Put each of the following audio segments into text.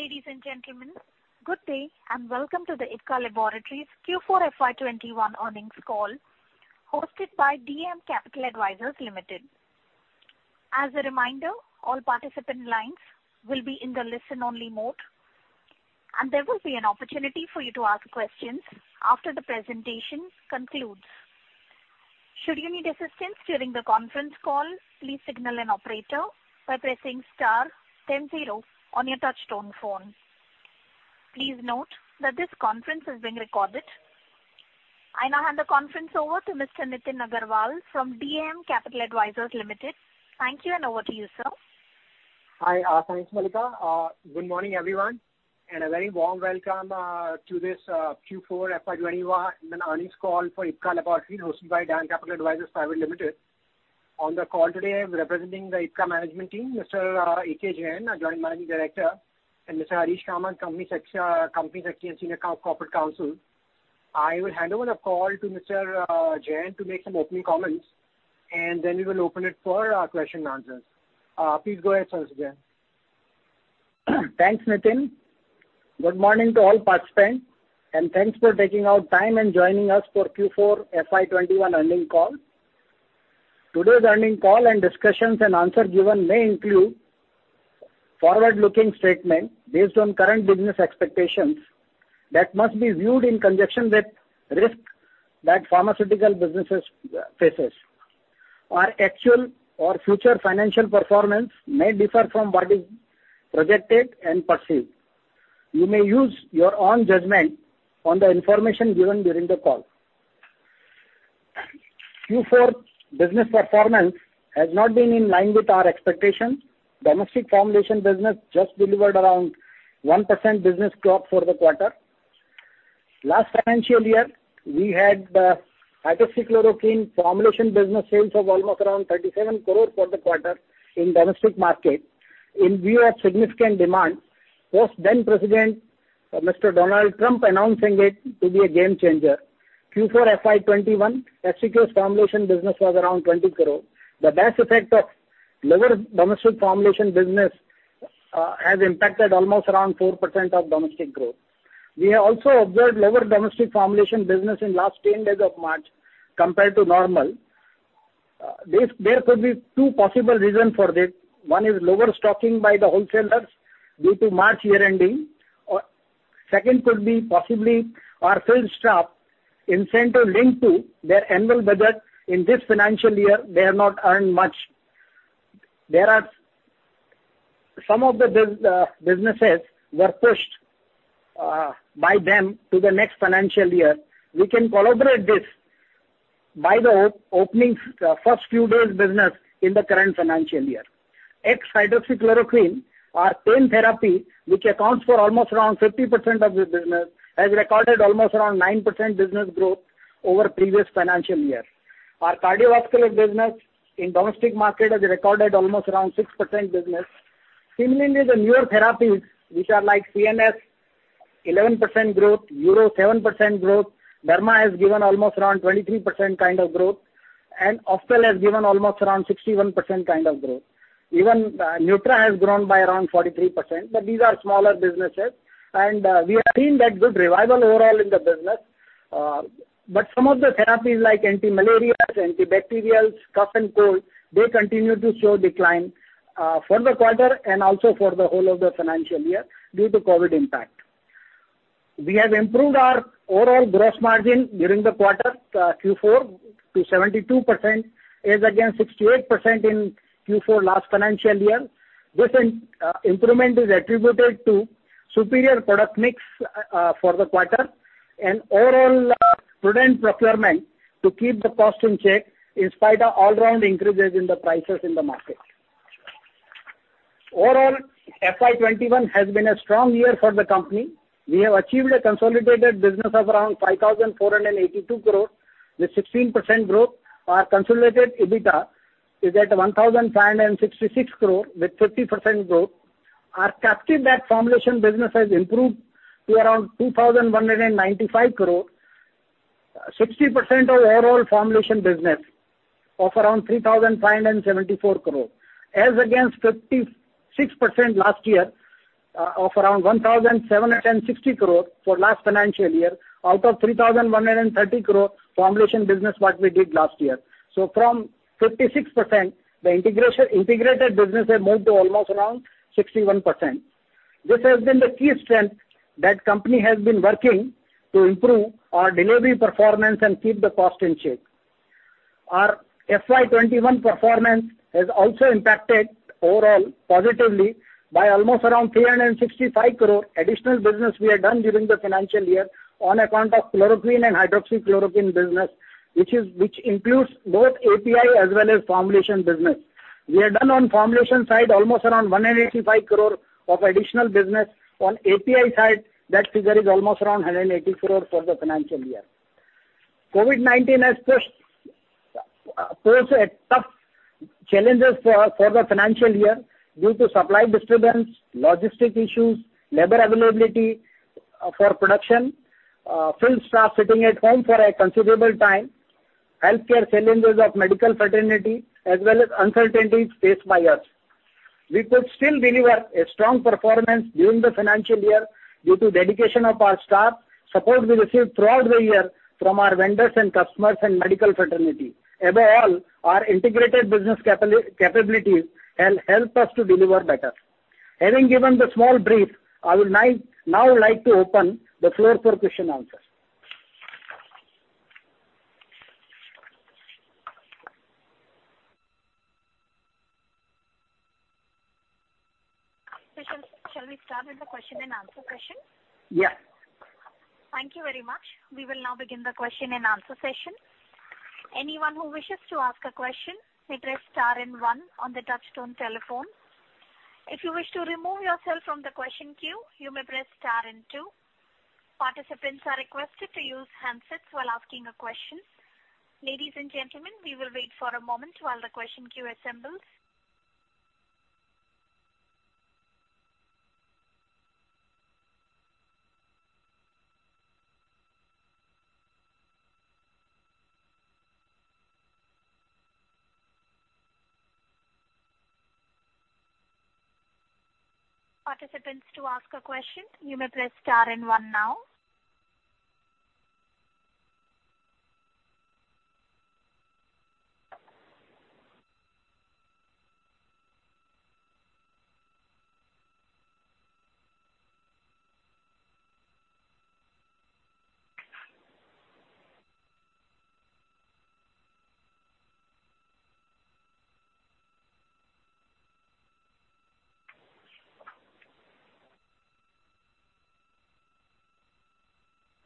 Ladies and gentlemen, good day and welcome to the Ipca Laboratories Q4 FY 2021 earnings call, hosted by DAM Capital Advisors Limited. As a reminder, all participant lines will be in the listen only mode. There will be an opportunity for you to ask questions after the presentation concludes. Should you need assistance during the conference call, please signal an operator by pressing star then zero on your touch-tone phone. Please note that this conference is being recorded. I now hand the conference over to Mr. Nitin Agarwal from DAM Capital Advisors Limited. Thank you. Over to you, sir. Hi. Thanks, Malika. Good morning, everyone, and a very warm welcome to this Q4 FY 2021 earnings call for Ipca Laboratories hosted by DAM Capital Advisors Limited. On the call today, representing the Ipca management team, Mr. A.K. Jain, our Joint Managing Director, and Mr. Harish P. Kamath, Company Secretary and Senior Corporate Counsel. I will hand over the call to Mr. Jain to make some opening comments and then we will open it for question and answers. Please go ahead, Mr. Jain. Thanks, Nitin. Good morning to all participants and thanks for taking out time and joining us for Q4 FY 2021 earnings call. Today's earnings call and discussions and answer given may include forward-looking statement based on current business expectations that must be viewed in conjunction with risk that pharmaceutical businesses faces. Our actual or future financial performance may differ from what is projected and perceived. You may use your own judgment on the information given during the call. Q4 business performance has not been in line with our expectations. Domestic formulation business just delivered around 1% business growth for the quarter. Last financial year, we had hydroxychloroquine formulation business sales of almost around 37 crore for the quarter in domestic market in view of significant demand post then President Mr. Donald Trump announcing it to be a game changer. Q4 FY 2021, HCQS formulation business was around 20 crore. The adverse effect of lower domestic formulation business has impacted almost around 4% of domestic growth. We have also observed lower domestic formulation business in last 10 days of March compared to normal. There could be two possible reasons for this. One is lower stocking by the wholesalers due to March year-ending. Second could be possibly our field staff in central India, their annual budget in this financial year, they have not earned much. Some of the businesses were pushed by them to the next financial year. We can corroborate this by the opening of first udial business in the current financial year. Ex-hydroxychloroquine or twin therapy, which accounts for almost around 50% of the business, has recorded almost around 9% business growth over previous financial year. Our cardiovascular business in domestic market has recorded almost around 6% business. Similarly, the newer therapies which are like CNS 11% growth, Uro 7% growth, Derma has given almost around 23% kind of growth and Ophthal has given almost around 61% kind of growth. Even Nutra has grown by around 43%, but these are smaller businesses and we are seeing that there's revival overall in the business. Some of the therapies like antimalarials, antibacterials, cough and cold, they continue to show decline for the quarter and also for the whole of the financial year due to COVID impact. We have improved our overall gross margin during the quarter Q4 to 72% as against 68% in Q4 last financial year. This improvement is attributable to superior product mix for the quarter and overall prudent procurement to keep the cost in check in spite of all-round increases in the prices in the market. Overall, FY 2021 has been a strong year for the company. We have achieved a consolidated business of around 5,482 crore with 16% growth. Our consolidated EBITDA is at 1,566 crore with 50% growth. Our captive lab formulation business has improved to around 2,195 crore. 60% of overall formulation business of around 3,574 crore as against 56% last year of around 1,760 crore for last financial year out of 3,130 crore formulation business that we did last year. From 56%, the integrated business has moved to almost around 61%. This has been the key strength that company has been working to improve our delivery performance and keep the cost in check. Our FY 2021 performance has also impacted overall positively by almost around 365 crore additional business we have done during the financial year on account of chloroquine and hydroxychloroquine business which includes both API as well as formulation business. We have done on formulation side almost around 185 crore of additional business. On API side, that figure is almost around 180 crore for the financial year. COVID-19 has posed tough challenges for the financial year due to supply disturbance, logistic issues, labor availability for production, field staff sitting at home for a considerable time. Healthcare challenges of medical fraternity as well as uncertainties faced by us. We could still deliver a strong performance during the financial year due to dedication of our staff, support we received throughout the year from our vendors and customers and medical fraternity. Above all, our integrated business capabilities helped us to deliver better. Having given the small brief, I would now like to open the floor for question answer. Shall we start with the question and answer session? Yeah. Thank you very much. We will now begin the question and answer session. Anyone who wishes to ask a question may press star and one on the touch-tone telephone, if you wish to remove yourself from the question queue, you may press star and two. Participants are rquested to use handsets while asking a question. Ladies and gentlemen, we will wait for a moment for our question queue assembles.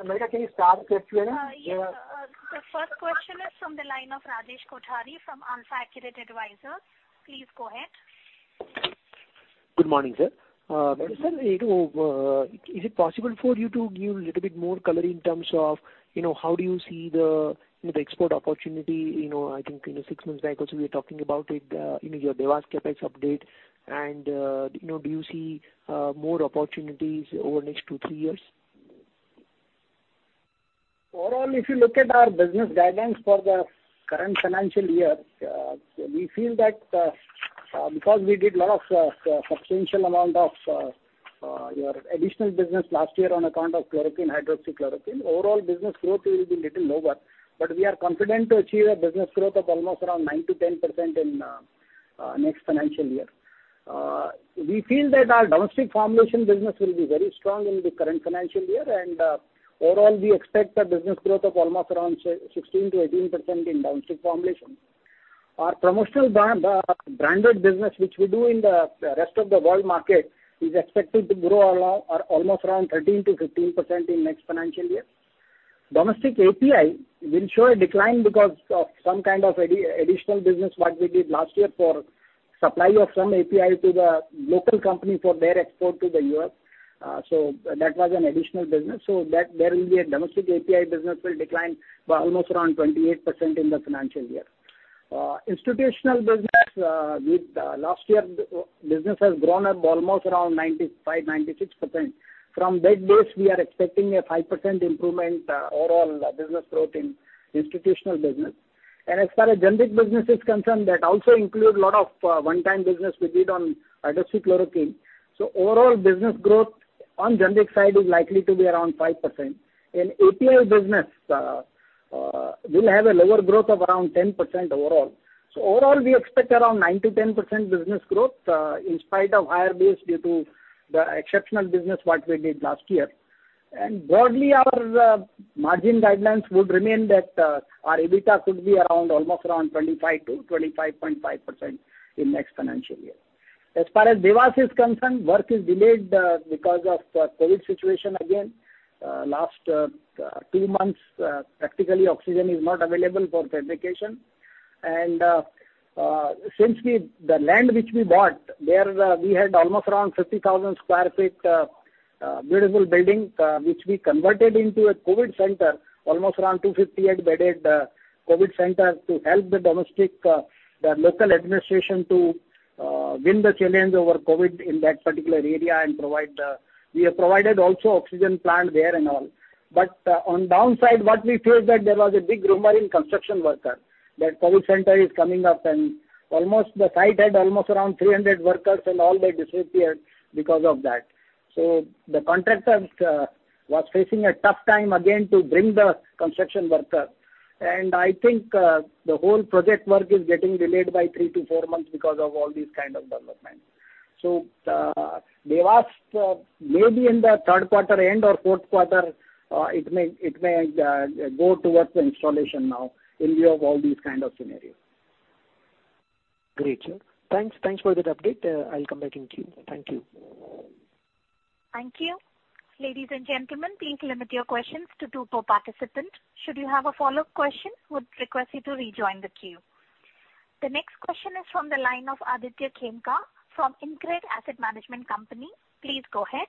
The first question is from the line of Rajesh Kothari from AlfAccurate Advisors. Please go ahead. Good morning, sir. Ajit sir, is it possible for you to give a little bit more color in terms of how do you see the export opportunity? I think six months back also we were talking about it in your Dewas CapEx update. Do you see more opportunities over the next two, three years? Overall, if you look at our business guidelines for the current financial year, we feel that because we did a lot of substantial amount of your additional business last year on account of chloroquine, hydroxychloroquine, overall business growth will be little lower. We are confident to achieve a business growth of almost around 9%-10% in next financial year. We feel that our domestic formulation business will be very strong in the current financial year, and overall, we expect a business growth of almost around 16%-18% in domestic formulation. Our promotional branded business, which we do in the rest of the world market, is expected to grow almost around 13%-15% in next financial year. Domestic API will show a decline because of some kind of additional business what we did last year for supply of some API to the local company for their export to the U.S. That was an additional business. There will be a domestic API business will decline by almost around 28% in the financial year. Institutional business, last year business has grown up almost around 95%-96%. From that base, we are expecting a 5% improvement overall business growth in institutional business. As far as generic business is concerned, that also includes lot of one-time business we did on hydroxychloroquine. Overall business growth on generic side is likely to be around 5%. In API business, we will have a lower growth of around 10% overall. Overall, we expect around 9%-10% business growth in spite of higher base due to the exceptional business what we did last year. Broadly, our margin guidelines would remain that our EBITDA could be almost around 25%-25.5% in next financial year. As far as Dewas is concerned, work is delayed because of COVID situation again. Last three months, practically oxygen is not available for fabrication. Since the land which we bought, there we had almost around 50,000 sq ft buildable building, which we converted into a COVID center, almost around 258-bedded COVID center to help the local administration to win the challenge over COVID in that particular area, and we have provided also oxygen plant there and all. On downside, what we feel is that there was a big rumor in construction worker that COVID center is coming up and the site had almost around 300 workers and all they disappeared because of that. The contractor was facing a tough time again to bring the construction workers. I think the whole project work is getting delayed by three to four months because of all these kind of developments. Dewas, maybe in the third quarter, end of fourth quarter, it may go towards the installation now in view of all these kind of scenarios. Great, sir. Thanks for the update. I'll come back in queue. Thank you. Thank you. Ladies and gentlemen, please limit your questions to two per participant. Should you have a follow-up question, would request you to rejoin the queue. The next question is from the line of Aditya Khemka from InCred Asset Management. Please go ahead.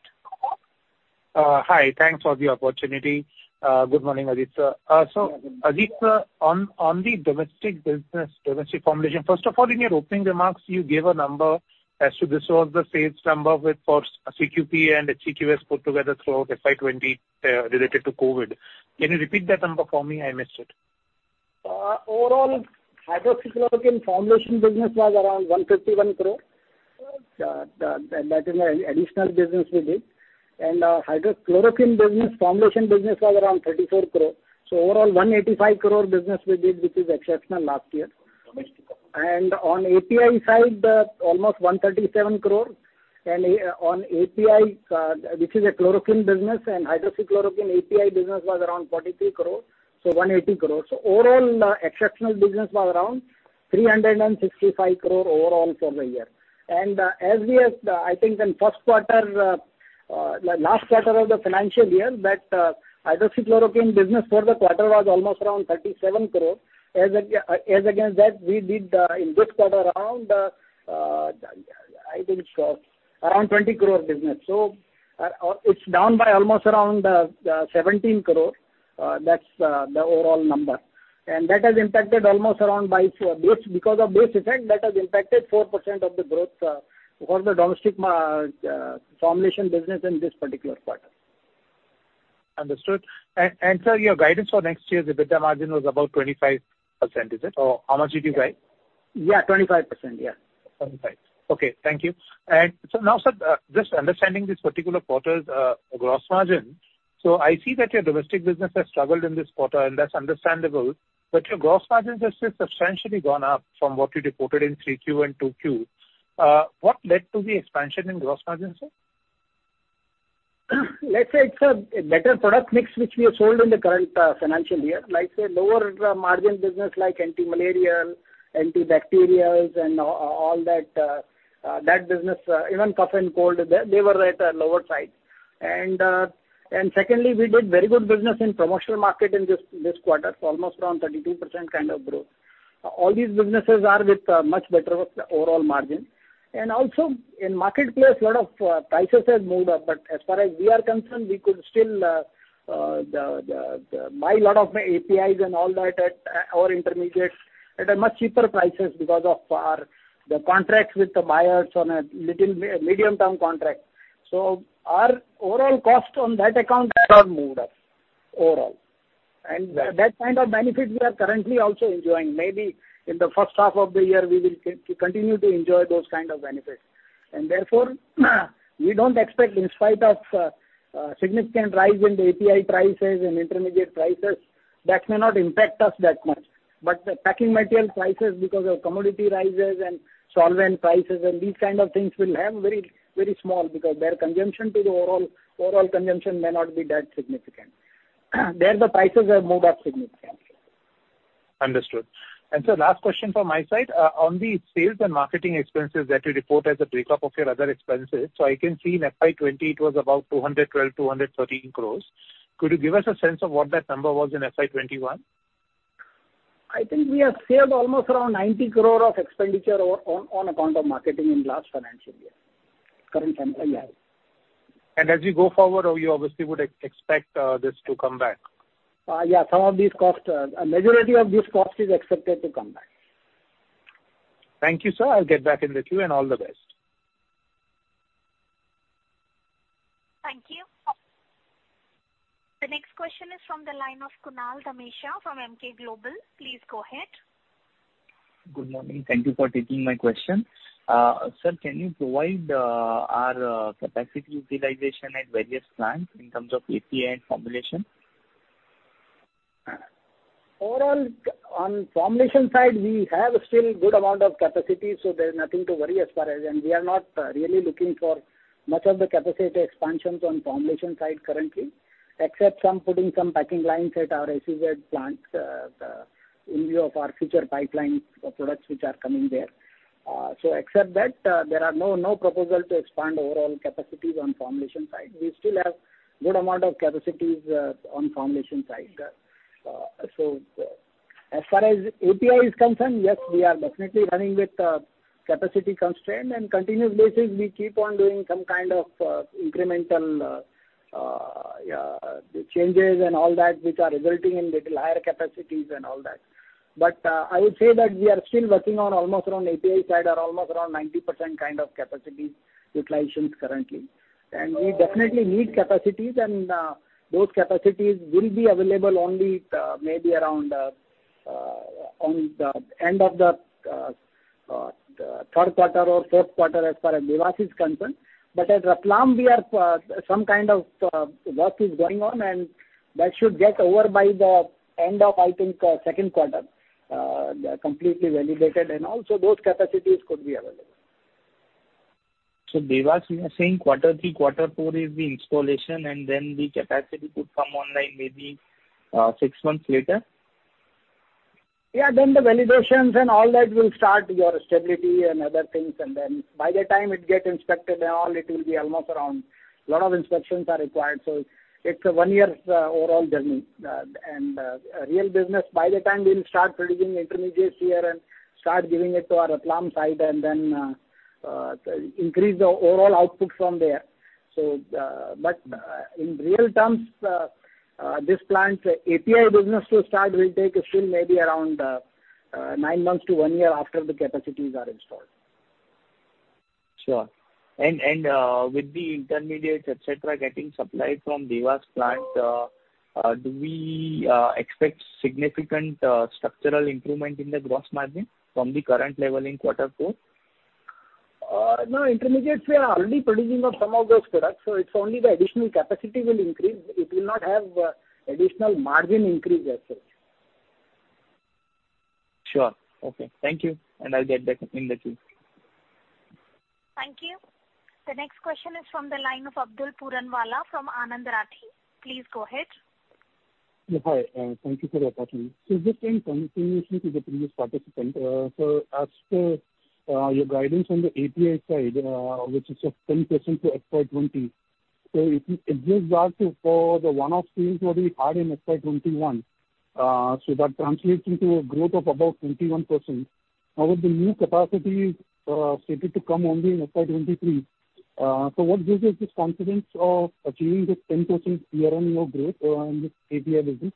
Hi, thanks for the opportunity. Good morning, Ajit sir. Ajit sir, on the domestic business, domestic formulation, first of all, in your opening remarks, you gave a number as to this was the sales number for CQ and HCQS put together throughout FY 2020 related to COVID. Can you repeat that number for me? I missed it. Hydroxychloroquine formulation business was around 151 crore. That is an additional business we did. Hydroxychloroquine business formulation business was around 34 crore. Overall, 185 crore business we did, which is exceptional last year. On API side, almost 137 crore. On API, which is a chloroquine business and hydroxychloroquine API business was around 43 crore, so 180 crore. Overall, exceptional business was around 365 crore overall for the year. As we have, I think in first quarter, the last quarter of the financial year, that hydroxychloroquine business for the quarter was almost around 37 crore. As against that, we did in this quarter around, I think, around 20 crore business. It's down by almost around 17 crore. That's the overall number. Because of base effect, that has impacted 4% of the growth for the domestic formulation business in this particular quarter. Understood. Sir, your guidance for next year, the EBITDA margin was about 25%, is it? Am I hearing right? Yeah, 25%. Okay. Thank you. Now, sir, just understanding this particular quarter's gross margin. I see that your domestic business has struggled in this quarter, and that's understandable. Your gross margin has still substantially gone up from what you reported in 3Q and 2Q. What led to the expansion in gross margin, sir? Let's say it's a better product mix which we have sold in the current financial year. Like, say, lower margin business like antimalarial, antibacterials, and all that business. Even cough and cold, they were at a lower side. Secondly, we did very good business in promotional market in this quarter, almost around 32% kind of growth. All these businesses are with much better overall margin. Also in marketplace, lot of prices has moved up. As far as we are concerned, we could still buy lot of APIs and all that at, or intermediates, at a much cheaper prices because of our contracts with the buyers on a medium-term contract. Our overall cost on that account has not moved up overall. That kind of benefit we are currently also enjoying. Maybe in the first half of the year, we will continue to enjoy those kind of benefits. Therefore, we don't expect, in spite of significant rise in API prices and intermediate prices, that may not impact us that much. The packing material prices because of commodity rises and solvent prices and these kind of things will have very small, because their consumption to the overall consumption may not be that significant. There the prices have moved up significantly. Understood. Sir, last question from my side. On the sales and marketing expenses that you report as a break-up of your other expenses. I can see in FY 2020, it was about 212 crores-213 crores. Could you give us a sense of what that number was in FY 2021? I think we have saved almost around 90 crore of expenditure on account of marketing in last financial year, current financial year. As you go forward, you obviously would expect this to come back? Yeah, some of these costs, a majority of these costs is expected to come back. Thank you, sir. I'll get back in with you and all the best. Thank you. The next question is from the line of Kunal Dhamesha from Emkay Global. Please go ahead. Good morning. Thank you for taking my question. Sir, can you provide our capacity utilization at various plants in terms of API and formulation? Overall, on formulation side, we have still good amount of capacity. There's nothing to worry as far as, we are not really looking for much of the capacity expansions on formulation side currently. Except some putting some packing lines at our SEZ plant in view of our future pipeline products which are coming there. Except that, there are no proposal to expand overall capacities on formulation side. We still have good amount of capacities on formulation side. As far as API is concerned, yes, we are definitely running with capacity constraint and continuously we keep on doing some kind of incremental changes and all that, which are resulting in little higher capacities and all that. I would say that we are still working on almost around API side are almost around 90% kind of capacity utilizations currently. We definitely need capacities and those capacities will be available only maybe around on the end of the third quarter or fourth quarter as far as Dewas is concerned. At Ratlam we have some kind of work is going on, and that should get over by the end of, I think, second quarter, completely validated, and also those capacities could be available. Dewas, you are saying quarter three, quarter four is the installation, and then the capacity could come online maybe six months later? Yeah, the validations and all that will start your stability and other things, and then by the time it get inspected and all, it will be almost around. A lot of inspections are required. It's a one year overall journey. Real business, by the time we'll start producing intermediates here and start giving it to our Ratlam side and then increase the overall output from there. In real terms, this plant's API business will start, we take it still maybe around nine months to one year after the capacities are installed. Sure. With the intermediates, et cetera, getting supplied from Dewas plant, do we expect significant structural improvement in the gross margin from the current level in quarter four? No, intermediates, we are already producing some of those products, so it's only the additional capacity will increase. It will not have additional margin increase as such. Sure. Okay. Thank you. I'll get back in the queue. Thank you. The next question is from the line of Abdulkader Puranwala from Anand Rathi. Please go ahead. Hi, thank you for the opportunity. Just a continuation to the previous participant. As per your guidance on the API side, which is a 10% for FY 2020. If you adjust that for the one-off sales that we had in FY 2021, that translates into a growth of about 21%. Now with the new capacity stated to come only in FY 2023, what gives us the confidence of achieving this 10% year-on-year growth in this API business?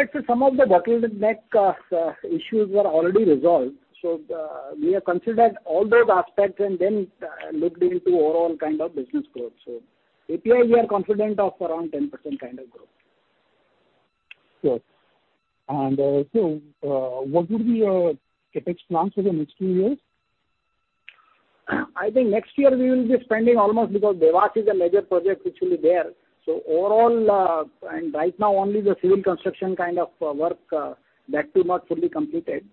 Actually, some of the bottleneck issues were already resolved. We have considered all those aspects and then looked into overall business growth. API, we are confident of around 10% kind of growth. Sure. What will be your CapEx plans for the next few years? I think next year we will be spending almost because Dewas is a major project which will be there. Overall, and right now only the civil construction work, that will not fully complete it.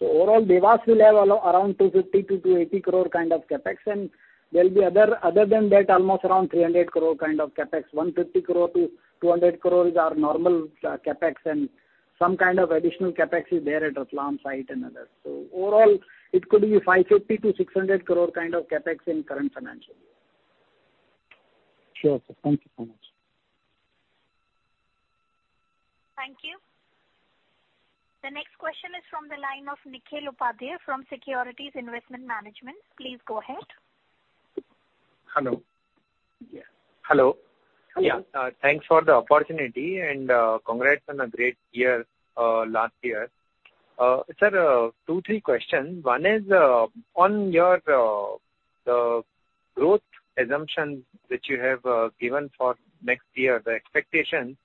Overall, Dewas will have around 250 crore-280 crore kind of CapEx and other than that, almost around 300 crore kind of CapEx. 150 crore-200 crore is our normal CapEx and some kind of additional CapEx is there at Ankleshwar site and others. Overall, it could be 550 crore-600 crore kind of CapEx in current financial year. Sure. Thank you so much. Thank you. The next question is from the line of Nikhil Upadhyay from Securities Investment Management. Please go ahead. Hello. Yes. Hello. Hello. Yeah. Thanks for the opportunity and congrats on a great year last year. Sir, two, three questions. One is on your growth assumptions that you have given for next year, the expectation.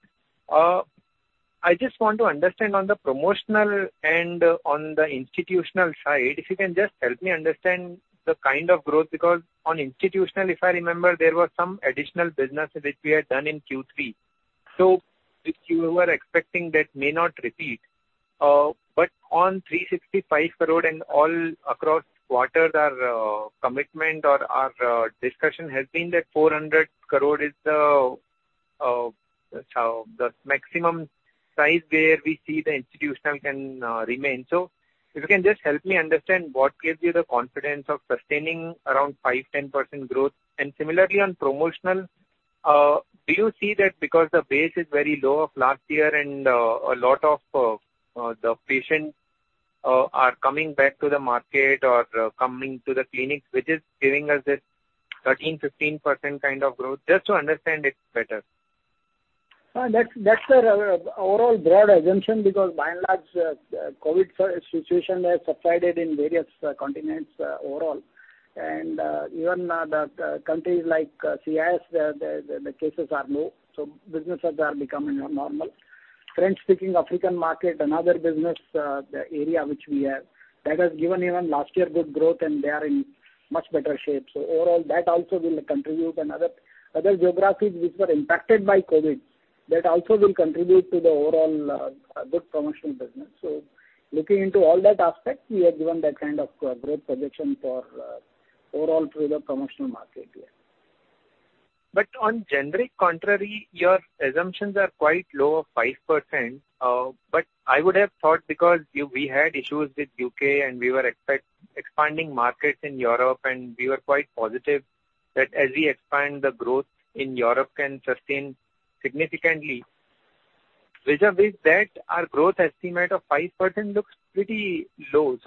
I just want to understand on the promotional and on the institutional side, if you can just help me understand the kind of growth, because on institutional, if I remember, there was some additional business which we had done in Q3. If you were expecting that may not repeat. On 365 crore and all across quarters, our commitment or our discussion has been that 400 crore is the maximum size where we see the institutional can remain. If you can just help me understand what gives you the confidence of sustaining around 5%, 10% growth. Similarly on promotional, do you see that because the base is very low of last year and a lot of the patients are coming back to the market or coming to the clinics, which is giving us this 13%-15% kind of growth? Just to understand it better. No, that's our overall broad assumption because by and large, COVID situation has subsided in various continents overall. Even countries like CIS, the cases are low, so businesses are becoming normal. French-speaking African market, another business area which we have. That has given even last year good growth and they are in much better shape. Overall, that also will contribute and other geographies which were impacted by COVID, that also will contribute to the overall good promotional business. Looking into all that aspect, we have given that kind of growth projection for overall through the promotional market. Yeah. On generic contrary, your assumptions are quite low of 5%. I would have thought because we had issues with U.K. and we were expanding markets in Europe and we were quite positive that as we expand, the growth in Europe can sustain significantly. Vis-a-vis that, our growth estimate of 5% looks pretty low.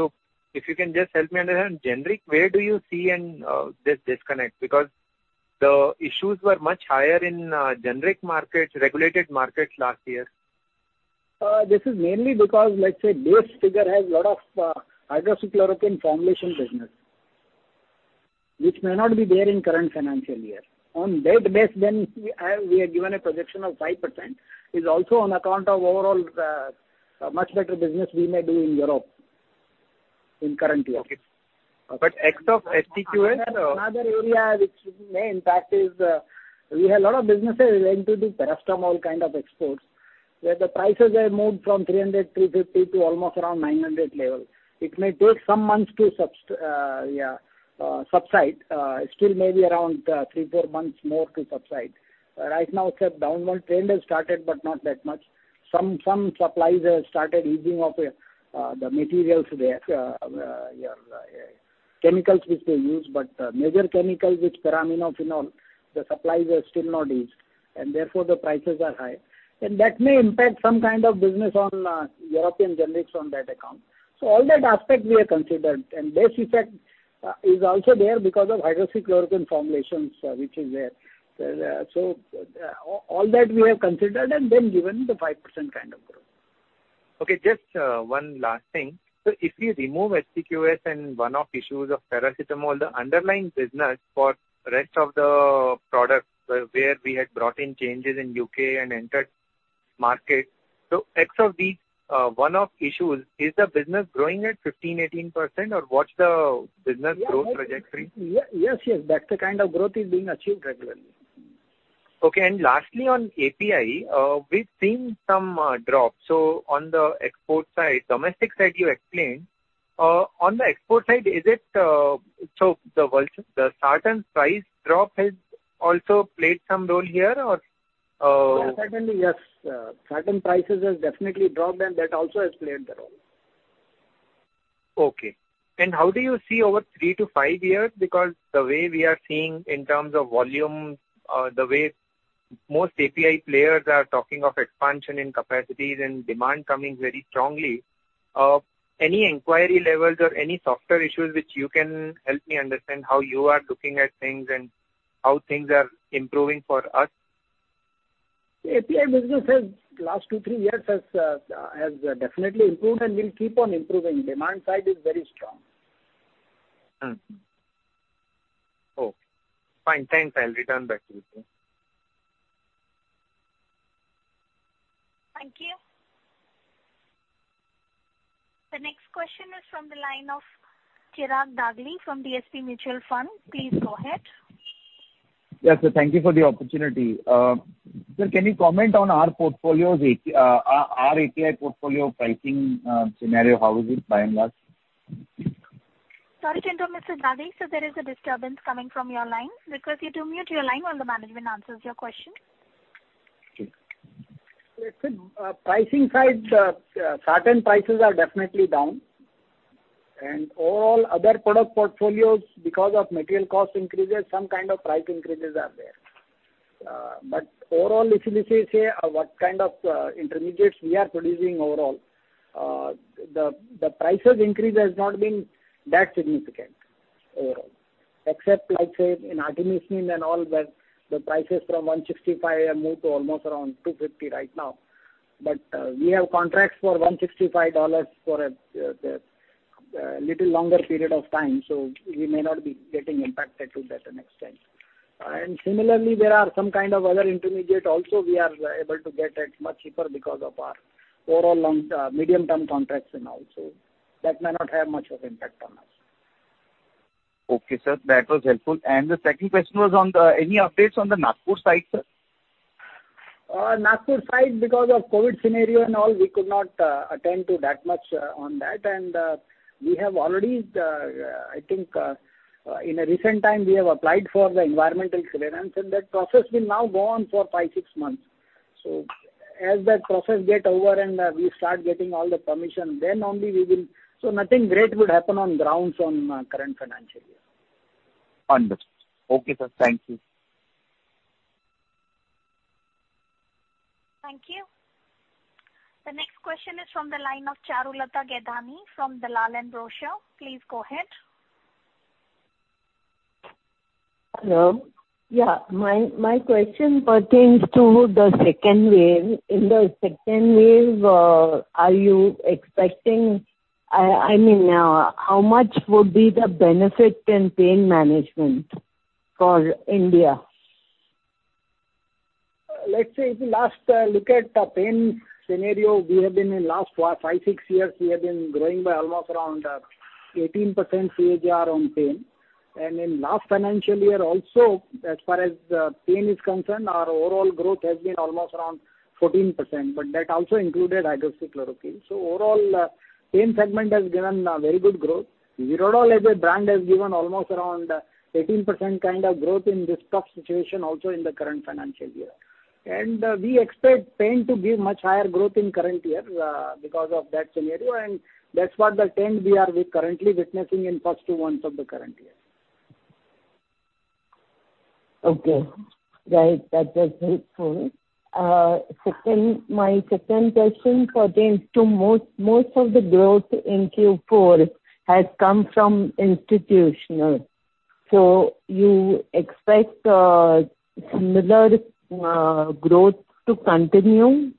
If you can just help me understand, generic, where do you see this disconnect? The issues were much higher in generic markets, regulated markets last year. This is mainly because, let's say, base figure has lot of hydroxychloroquine formulation business, which may not be there in current financial year. On that base, then we have given a projection of 5%. It is also on account of overall much better business we may do in Europe in current year. Okay. ex-HCQS. Another area which may impact is we have a lot of businesses related to paracetamol kind of exports, where the prices were moved from 300, 350 to almost around 900 level. It may take some months to subside. Still maybe around three, four months more to subside. Right now, downward trend has started, but not that much. Some supplies have started easing off the materials there, chemicals which they use, but major chemical, which para-aminophenol, the supplies are still not eased and therefore the prices are high. That may impact some kind of business on European generics on that account. All that aspect we have considered, and base effect is also there because of hydroxychloroquine formulations which is there. All that we have considered and then given the 5% kind of growth. Okay, just one last thing. If we remove HCQS and one-off issues of paracetamol, the underlying business for rest of the products where we had brought in changes in U.K. and entered markets, ex of these one-off issues, is the business growing at 15%, 18%, or what's the business growth trajectory? Yes. That kind of growth is being achieved regularly. Okay. Lastly, on API, we've seen some drop. On the export side, domestic side you explained. On the export side, the certain price drop has also played some role here? Certainly, yes. Certain prices have definitely dropped, and that also has played a role. Okay. How do you see over three to five years? The way we are seeing in terms of volume, the way most API players are talking of expansion in capacities and demand coming very strongly. Any inquiry levels or any software issues which you can help me understand how you are looking at things and how things are improving for us? API business has, last two, three years, has definitely improved and will keep on improving. Demand side is very strong. Okay, fine. Thanks. I'll return back to you. Thank you. The next question is from the line of Chirag Dagli from DSP Mutual Fund. Please go ahead. Yes, sir. Thank you for the opportunity. Sir, can you comment on our API portfolio pricing scenario? How is it by and large? Sorry to interrupt, Mr. Dagli, sir, there is a disturbance coming from your line. Could you mute your line while the management answers your question? Listen, pricing side, certain prices are definitely down. All other product portfolios, because of material cost increases, some kind of price increases are there. Overall, if you say what kind of intermediates we are producing overall, the price of increase has not been that significant overall. Except like, say, in artemisinin and all, where the prices from $165 have moved to almost around $250 right now. We have contracts for $165 for a little longer period of time. We may not be getting impacted to that an extent. Similarly, there are some kind of other intermediate also we are able to get at much cheaper because of our overall long, medium-term contracts and all. That may not have much of impact on us. Okay, sir. That was helpful. The second question was, any updates on the Nagpur site? Nagpur site, because of COVID scenario and all, we could not attend to that much on that. We have already, I think, in recent time, we have applied for the environmental clearance, and that process will now go on for five, six months. As that process get over and we start getting all the permission, nothing great would happen on grounds on current financial year. Understood. Okay, sir. Thank you. Thank you. The next question is from the line of Charulata Gaidhani from Dalal & Broacha. Please go ahead. Yeah. My question pertains to the second wave. In the second wave, how much would be the benefit in pain management for India? Let's say if you look at pain scenario, last five, six years, we have been growing by almost around 18% CAGR on pain. In last financial year also, as far as pain is concerned, our overall growth has been almost around 14%, but that also included hydroxychloroquine. Overall, pain segment has given a very good growth. Zerodol AB brand has given almost around 18% kind of growth in this tough situation also in the current financial year. We expect pain to give much higher growth in current year because of that scenario. That's what the trend we are currently witnessing in first two months of the current year. Okay. Right. That was helpful. My second question pertains to most of the growth in Q4 has come from institutional. You expect similar growth to continue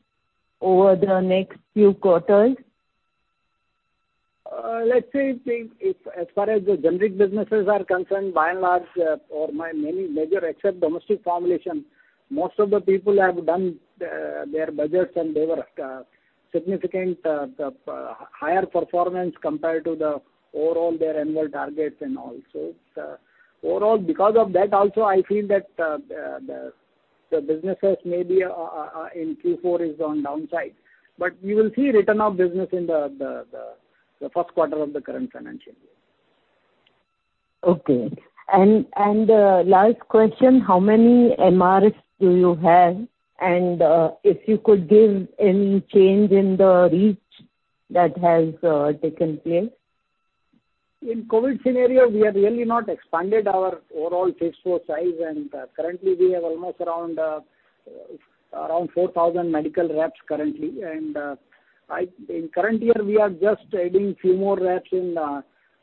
over the next few quarters? Let's say, as far as the generic businesses are concerned, by and large, for my many major, except domestic formulation, most of the people have done their budgets and they were significant, the higher performance compared to the overall their annual targets and all. Overall, because of that also, I feel that the businesses may be in Q4 is on downside. We will see return of business in the first quarter of the current financial year. Okay. Last question, how many MRs do you have? If you could give any change in the reach that has taken place? In COVID scenario, we have really not expanded our overall sales force size. Currently, we have almost around 4,000 MRs currently. In current year, we are just adding few more MRs in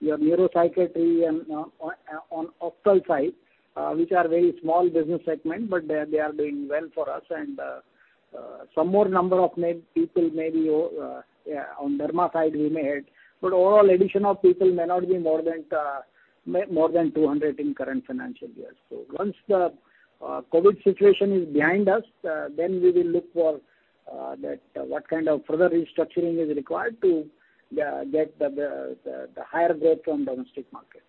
neuropsychiatry and on Ophthal side, which are very small business segment, but they are doing well for us and some more number of people maybe on pharma side we may add. Overall addition of people may not be more than 200 in current financial year. Once the COVID situation is behind us, then we will look for what kind of further restructuring is required to get the higher growth from domestic market.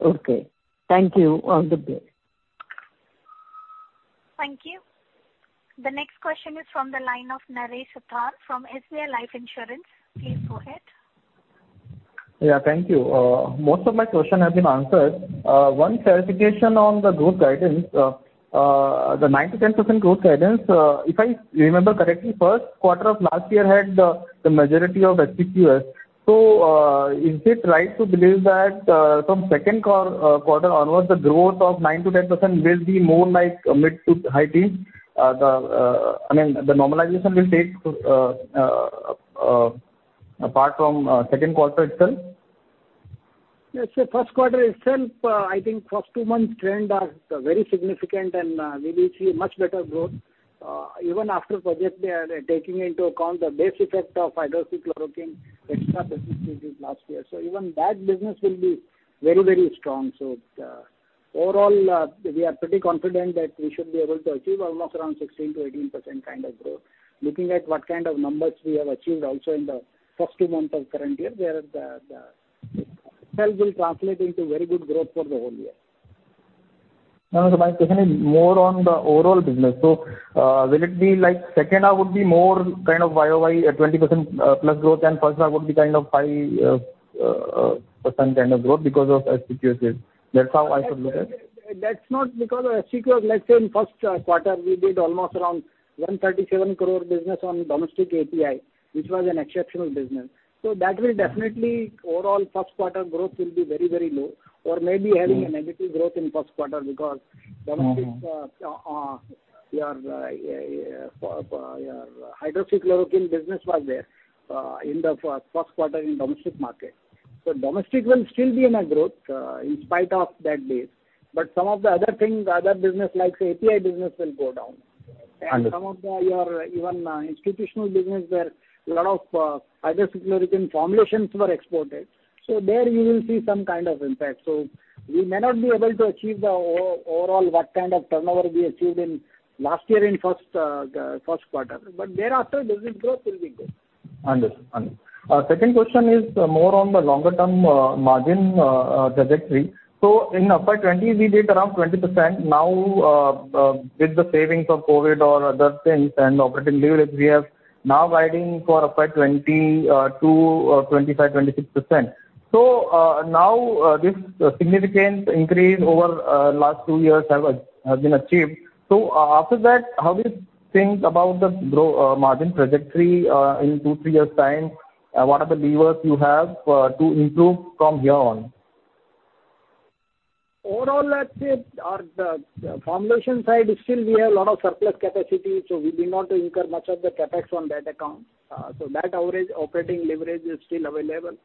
Okay. Thank you. Have a good day. Thank you. The next question is from the line of Naresh Suthar from SBI Life Insurance. Please go ahead. Yeah, thank you. Most of my question has been answered. One clarification on the growth guidance. The 9%-10% growth guidance, if I remember correctly, first quarter of last year had the majority of HCQS. Is it right to believe that from second quarter onwards, the growth of 9%-10% will be more like mid to high teens? I mean, the normalization will take apart from second quarter itself? First quarter itself, I think first two months trend are very significant and we will see much better growth. Even after, perhaps, taking into account the base effect of hydroxychloroquine, extra purchases last year. Even that business will be very strong. Overall, we are pretty confident that we should be able to achieve almost around 16%-18% kind of growth. Looking at what kind of numbers we have achieved also in the first two months of current year, that itself will translate into very good growth for the whole year. No, my question is more on the overall business. Will it be like second half would be more kind of Y-o-Y at 20%+ growth and first half would be 5% kind of growth because of HCQS? That's how I should look at it. That's not because of HCQ. Let's say in first quarter, we did almost around 137 crore business on domestic API, which was an exceptional business. That way definitely overall first quarter growth will be very low or maybe having a negative growth in first quarter because your hydroxychloroquine business was there in the first quarter in domestic market. Domestic will still be in a growth in spite of that base. Some of the other things, other business, like API business, will go down. Some of your even institutional business where lot of hydroxychloroquine formulations were exported. There you will see some kind of impact. We may not be able to achieve the overall what kind of turnover we achieved in last year in first quarter. Thereafter the growth will be good. Understood. Second question is more on the longer-term margin trajectory. In FY 2020, we did around 20%. Now with the savings of COVID or other things and operating leverage we have, now guiding for FY 2022, 25%, 26%. Now this significant increase over last two years has been achieved. After that, how do you think about the margin trajectory in two, three years' time? What are the levers you have to improve from here on? Overall, let's say our formulation side, still we have a lot of surplus capacity, so we need not incur much of the CapEx on that account. That average operating leverage is still available.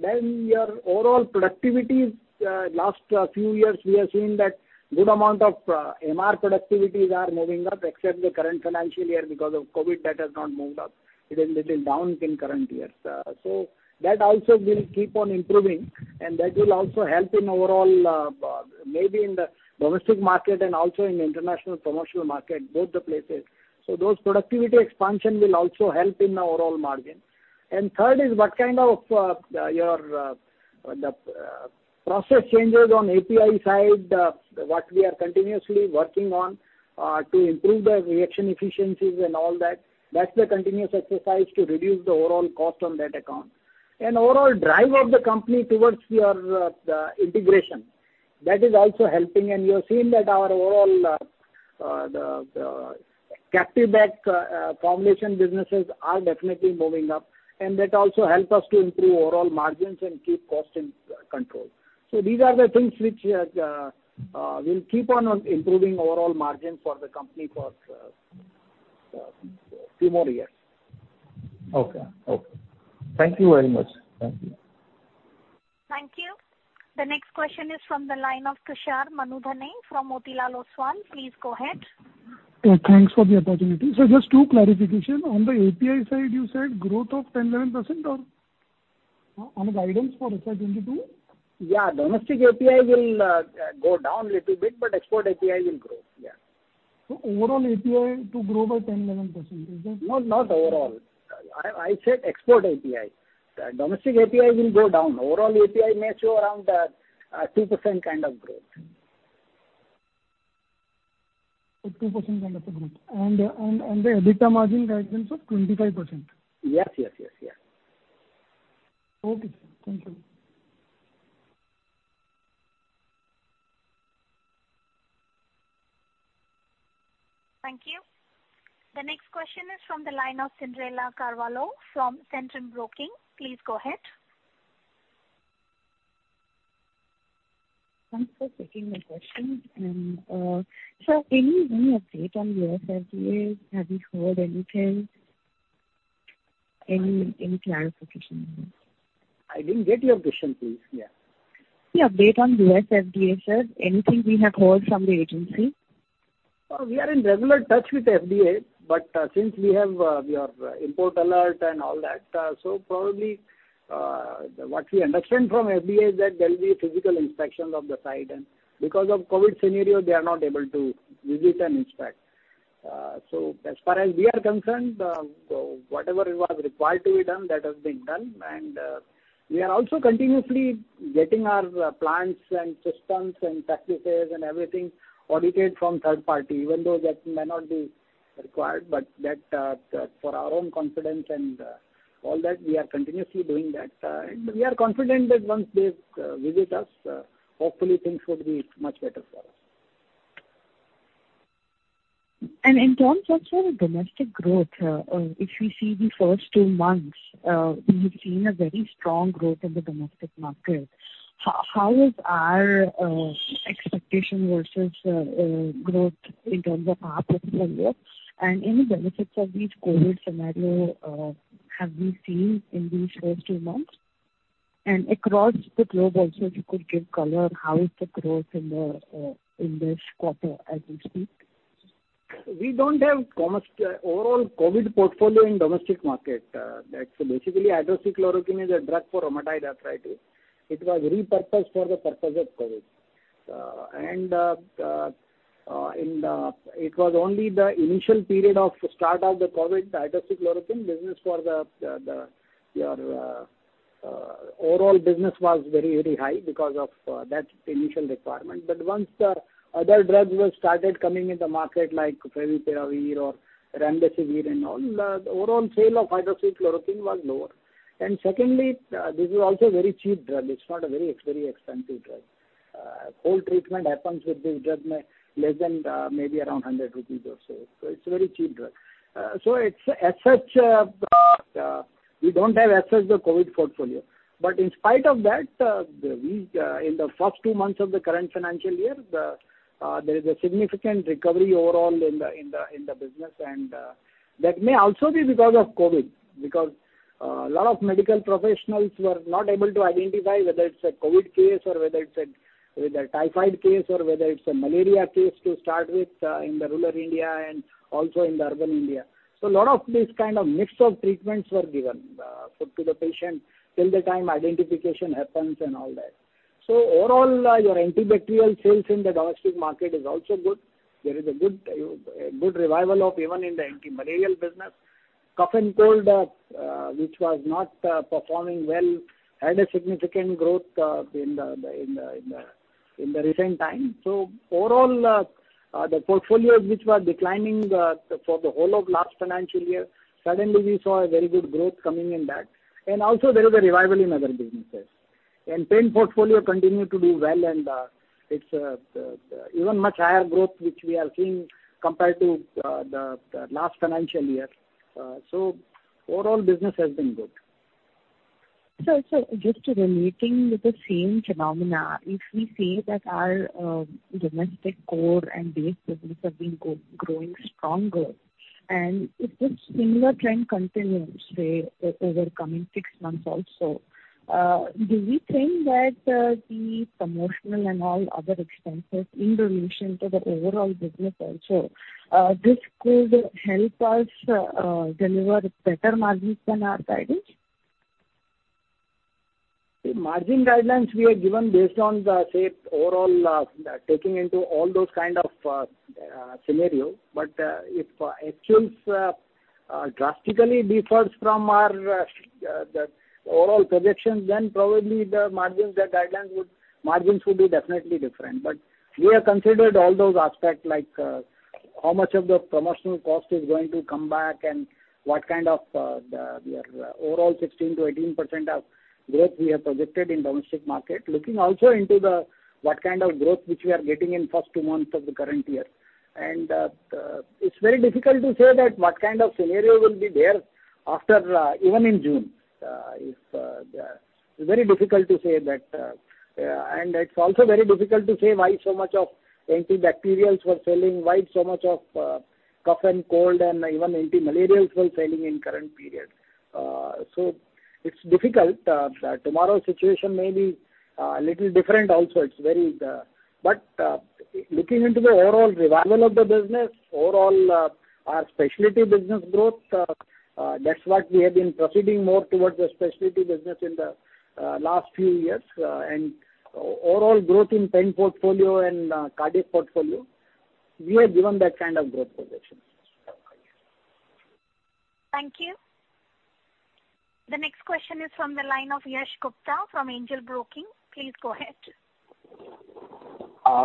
Your overall productivity, last few years, we have seen that good amount of MR productivities are moving up, except the current financial year because of COVID that has not moved up. It is little down in current year. That also will keep on improving and that will also help in overall, maybe in the domestic market and also in international promotional market, both the places. Those productivity expansion will also help in our overall margin. Third is what kind of your process changes on API side, what we are continuously working on to improve the reaction efficiencies and all that. That's a continuous exercise to reduce the overall cost on that account. Overall drive of the company towards your integration, that is also helping. You have seen that our overall the captive lab formulation businesses are definitely moving up, and that also helps us to improve overall margins and keep cost in control. These are the things which will keep on improving overall margin for the company for two more years. Okay. Thank you very much. Thank you. Thank you. The next question is from the line of Tushar Manudhane from Motilal Oswal. Please go ahead. Thanks for the opportunity. Just two clarifications. On the API side, you said growth of 10%, 11% on guidance for FY 2022? Yeah, domestic API will go down little bit, but export API will grow. Yeah. Overall API to grow by 10%, 11%, is that correct? No, not overall. I said export API. Domestic API will go down. Overall API may show around 3% kind of growth. 3% kind of a growth. The EBITDA margin guidance of 25%? Yes. Okay. Thank you. Thank you. The next question is from the line of Cinderella Carvalho from Centrum Broking. Please go ahead. Thanks for taking the question. Any update on U.S. FDA? Have you heard anything? Any clarification? I didn't get your question, please. Yeah. Yeah. Based on the U.S. FDA, anything we have heard from the agency? We are in regular touch with FDA. Since we have your import alert and all that. Probably, what we understand from FDA is that there will be a physical inspection of the site, and because of COVID scenario, they are not able to visit and inspect. As far as we are concerned, whatever was required to be done, that has been done, and we are also continuously getting our plants and systems and practices and everything audited from third party, even though that may not be required, but that for our own confidence and all that, we are continuously doing that. We are confident that once they visit us, hopefully things will be much better for us. In terms of your domestic growth, if you see the first two months, we have seen a very strong growth in the domestic market. How is our expectation versus growth in terms of half of the year and any benefits of this COVID scenario have we seen in these first two months? Across the globe also, if you could give color on how is the growth in this quarter as we speak. We don't have overall COVID portfolio in domestic market. That's basically hydroxychloroquine is a drug for rheumatoid arthritis. It was repurposed for the purpose of COVID. It was only the initial period of start of the COVID hydroxychloroquine business for the overall business was very high because of that initial requirement. Once the other drugs were started coming in the market like favipiravir or remdesivir and all, the overall sale of hydroxychloroquine was lower. Secondly, this is also a very cheap drug. It's not a very expensive drug. Whole treatment happens with this drug may less than maybe around 100 rupees or so. It's a very cheap drug. As such, we don't have as such the COVID portfolio. In spite of that, in the first two months of the current financial year, there is a significant recovery overall in the business, and that may also be because of COVID, because a lot of medical professionals were not able to identify whether it is a COVID case or whether it is a typhoid case, or whether it is a malaria case to start with in the rural India and also in the urban India. A lot of these kinds of mix of treatments were given to the patient till the time identification happens and all that. Overall, your antibacterial sales in the domestic market is also good. There is a good revival of even in the antimalarial business. Cough and cold, which was not performing well, had a significant growth in the recent times. Overall, the portfolios which were declining for the whole of last financial year, suddenly, we saw a very good growth coming in that. Also, there was a revival in other businesses. Pain portfolio continued to do well, and it's even much higher growth, which we are seeing compared to the last financial year. Overall business has been good. Sir, just relating with the same phenomena, if we say that our domestic core and base business have been growing stronger, and if this similar trend continues over coming six months also, do we think that the promotional and all other expenses in relation to the overall business also, this could help us deliver better margins than our guidance? Margin guidance we have given based on the overall taking into all those kind of scenario. If actuals drastically differs from our overall projections, then probably the margins would be definitely different. We have considered all those aspects like how much of the promotional cost is going to come back and what kind of our overall 16%-18% of growth we have projected in domestic market. Looking also into what kind of growth which we are getting in first two months of the current year. It's very difficult to say that what kind of scenario will be there even in June. It's very difficult to say that. It's also very difficult to say why so much of the antibacterials were selling, why so much of cough and cold and even antimalarials were selling in current period. It's difficult. Tomorrow situation may be a little different also. Looking into the overall revival of the business, overall our specialty business growth, that's what we have been proceeding more towards the specialty business in the last few years, and overall growth in pain portfolio and cardiac portfolio, we have given that kind of growth projection. Thank you. The next question is from the line of Yash Gupta from Angel Broking. Please go ahead.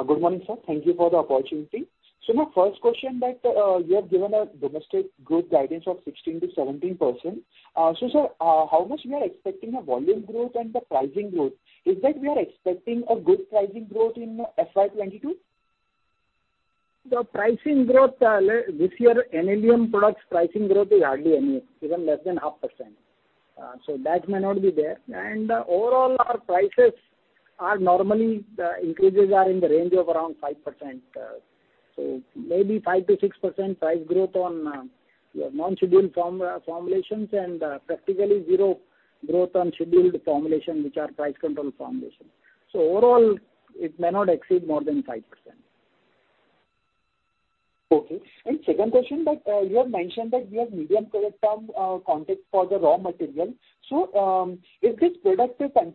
Good morning, sir. Thank you for the opportunity. My first question that you have given a domestic growth guidance of 16%-17%. Sir, how much we are expecting a volume growth and the pricing growth? Is that we are expecting a good pricing growth in FY 2022? The pricing growth this year, NLEM products pricing growth is already negative, less than 0.5%. That may not be there. Overall, our prices are normally increases are in the range of around 5%. Maybe 5%-6% price growth on your non-scheduled formulations and practically zero growth on scheduled formulations, which are price-controlled formulations. Overall, it may not exceed more than 5%. Okay. Second question, you have mentioned that you have medium to short-term contracts for the raw material. If this productive pricing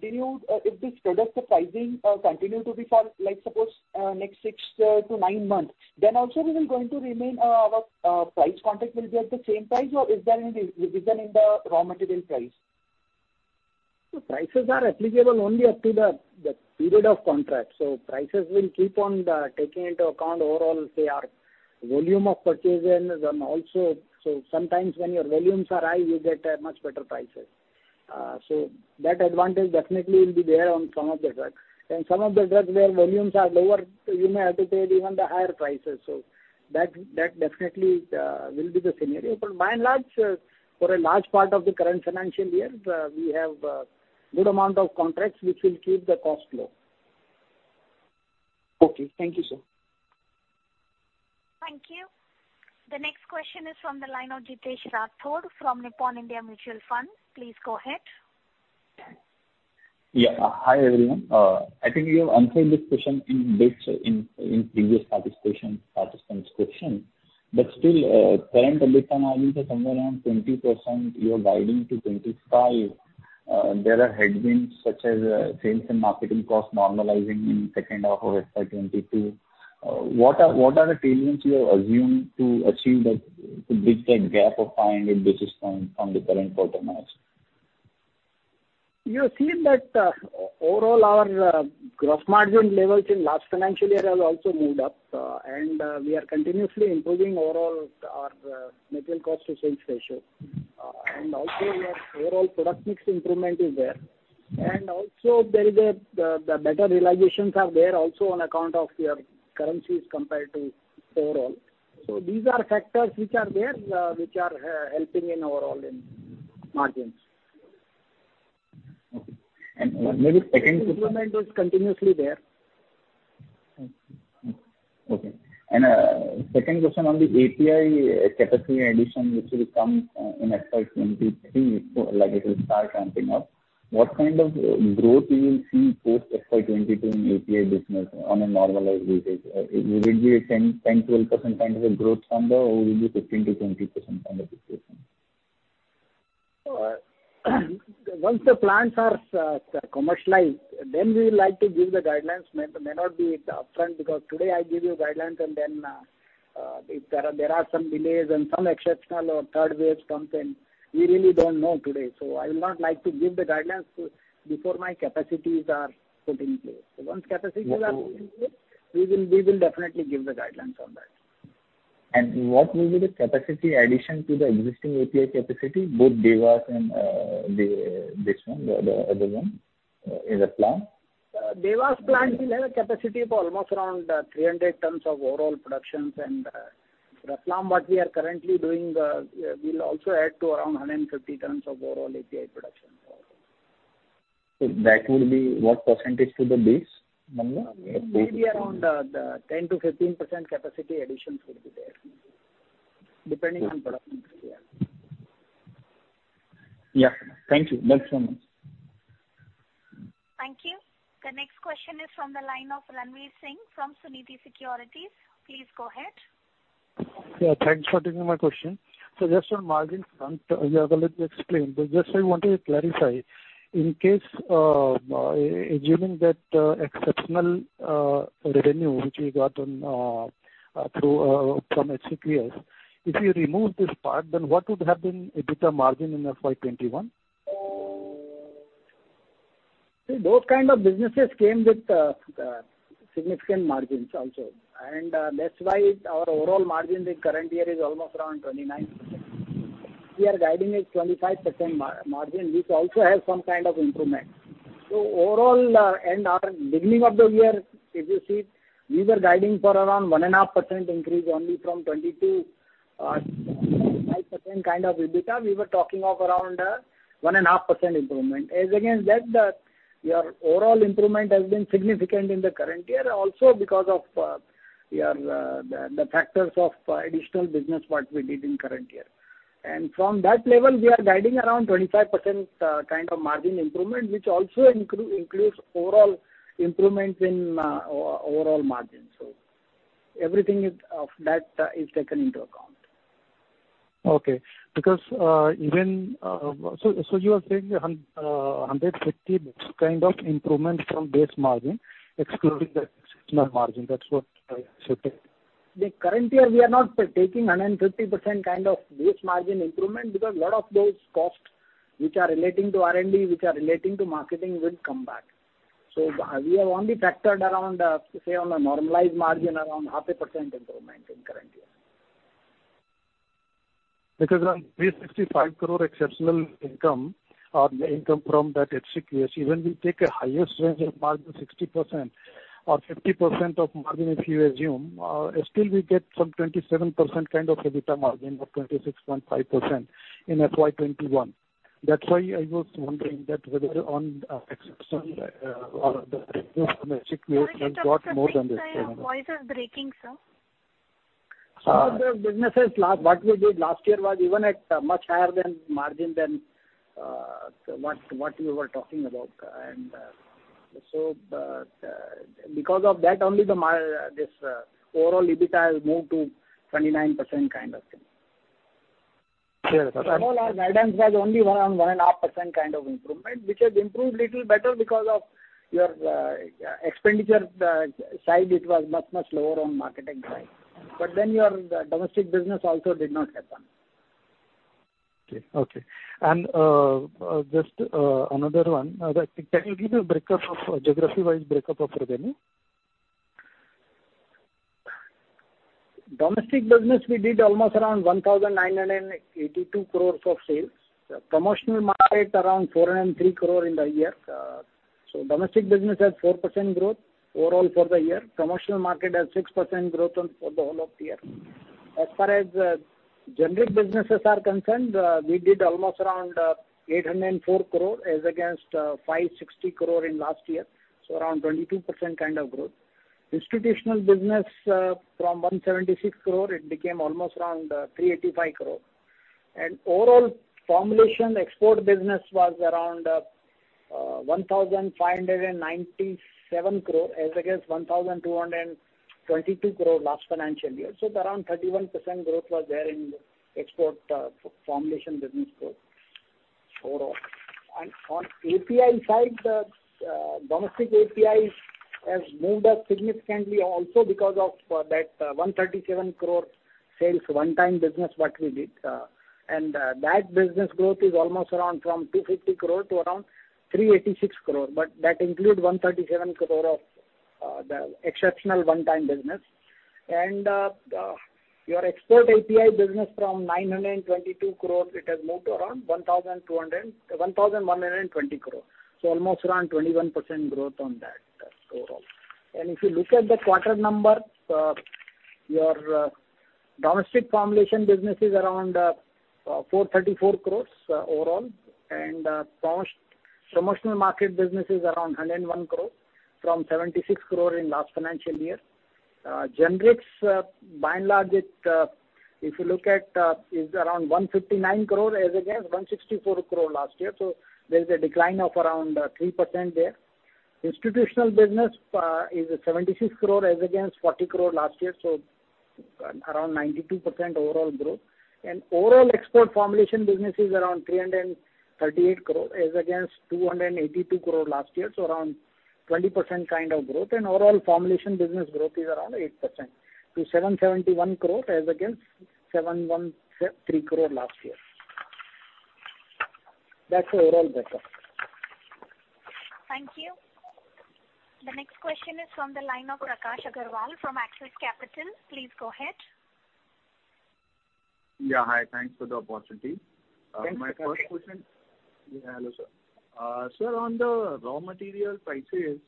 continue to be for, suppose, next six to nine months, also we are going to remain our price contract will be at the same price or is there any revision in the raw material price? The prices are applicable only up to the period of contract. Prices will keep on taking into account overall volume of purchases and also sometimes when your volumes are high, you get a much better prices. That advantage definitely will be there on some of the drugs. Some of the drugs where volumes are lower, you may have to pay even the higher prices. That definitely will be the scenario. By and large, for a large part of the current financial year, we have good amount of contracts which will keep the cost low. Okay. Thank you, sir. Thank you. The next question is from the line of Ritesh Rathod from Nippon India Mutual Fund. Please go ahead. Yeah. Hi, everyone. I think you have answered this question in previous participant's question. Current LTM is somewhere around 20%, you are guiding to 25%. There are headwinds such as change in marketing cost normalizing in second half of FY 2022. What are the timings you have assumed to achieve that, to bridge that gap of 5%, if this is from the current quarter, perhaps? You have seen that overall our gross margin levels in last financial year has also moved up, and we are continuously improving overall our material cost efficiency ratio. Also, the overall product mix improvement is there. Also, the better realizations are there also on account of your currencies compared to overall. These are factors which are there, which are helping in overall in margins. Okay. Improvement is continuously there. Okay. Second question on the API category addition, which will come in FY 2023, like it will start ramping up. What kind of growth we will see post FY 2022 in API business on a normalized basis? Will it be a 10%-12% kind of a growth from there or will it be 15%-20% kind of improvement? Once the plants are commercialized, then we like to give the guidance. May not be upfront because today I give you guidance and then if there are some delays and some exceptional or third wave comes in, we really don't know today. I'll not like to give the guidance before my capacities are put in place. Once capacities are put in place, we will definitely give the guidance on that. What will be the capacity addition to the existing API capacity, both Dewas and the other one in Ratlam? Dewas plant will have a capacity for almost around 300 tons of overall productions. Ratlam, what we are currently doing, we'll also add to around 150 tons of overall API production. That will be what percentage to the base number? Maybe around 10%-15% capacity addition will be there, depending on production. Yeah. Thank you. That's all. Thank you. The next question is from the line of Ranvir Singh from Sunidhi Securities. Please go ahead. Yeah, thanks for taking my question. Just on margins front, you have explained. Just I wanted to clarify, given that exceptional revenue which you got from HCQS, if you remove this part, then what would have been EBITDA margin in FY 2021? Those kind of businesses came with significant margins also. That's why our overall margin in the current year is almost around 29%. We are guiding a 25% margin, which also has some kind of improvement. Overall, beginning of the year, if you see, we were guiding for around 1.5% increase only from 20%-25% kind of EBITDA. We were talking of around 1.5% improvement. As against that, your overall improvement has been significant in the current year also because of the factors of additional business what we did in current year. From that level, we are guiding around 25% kind of margin improvement, which also includes improvements in overall margin. Everything of that is taken into account. Okay. You are saying 150 basis points kind of improvement from base margin, excluding the EBITDA margin. That's what I said. Currently, we are not taking 150 basis points kind of base margin improvement because lot of those costs which are relating to R&D, which are relating to marketing, will come back. We have only factored around, say, on a normalized margin, around half a percent improvement in current year. Because 365 crore exceptional income from that HCQS, even we take a highest range of margin 60% or 50% of margin, if you assume, still we get some 27% kind of EBITDA margin or 26.5% in FY 2021. That's why I was wondering that whether on domestic we have got more than this number. Can you please repeat, sir? Your voice was breaking, sir. All the businesses, what we did last year was even at much higher margin than what you were talking about. Because of that only this overall EBITDA has moved to 29% kind of thing. Overall margins was only around 1.5% kind of improvement, which has improved little better because of your expenditure side, it was much lower on marketing side. Your domestic business also did not help. Okay. Just another one. Can you give a geography-wise breakup of revenue? Domestic business, we did almost around 1,982 crore of sales. Promotional market, around 403 crore in the year. Domestic business has 4% growth overall for the year. Promotional market has 6% growth for the whole of the year. As far as generic businesses are concerned, we did almost around 804 crore as against 560 crore in last year. Around 22% kind of growth. Institutional business from 176 crore, it became almost around 385 crore. Overall formulation export business was around 1,597 crore as against 1,222 crore last financial year. Around 31% growth was there in export formulation business growth overall. On API side, domestic API has moved up significantly also because of that 137 crore sales one-time business what we did. That business growth is almost around from 250 crore to around 386 crore. That includes 137 crore of the exceptional one-time business. Your export API business from 922 crore, it has moved to around 1,120 crore. Almost around 21% growth on that overall. If you look at the quarter number, your domestic formulation business is around 434 crore overall. Promotional market business is around 101 crore from 76 crore in last financial year. Generics, by and large, if you look at, is around 159 crore as against 164 crore last year. There's a decline of around 3% there. Institutional business is 76 crore as against 40 crore last year, so around 92% overall growth. Overall export formulation business is around 338 crore as against 282 crore last year. Around 20% kind of growth. Overall formulation business growth is around 8% to 771 crore as against 713 crore last year. That's the overall breakup. Thank you. The next question is on the line of Prakash Agrawal from Axis Capital. Please go ahead. Yeah. Hi, thanks for the opportunity. Yes. My first question. Yeah, hello sir. Sir, on the raw material prices,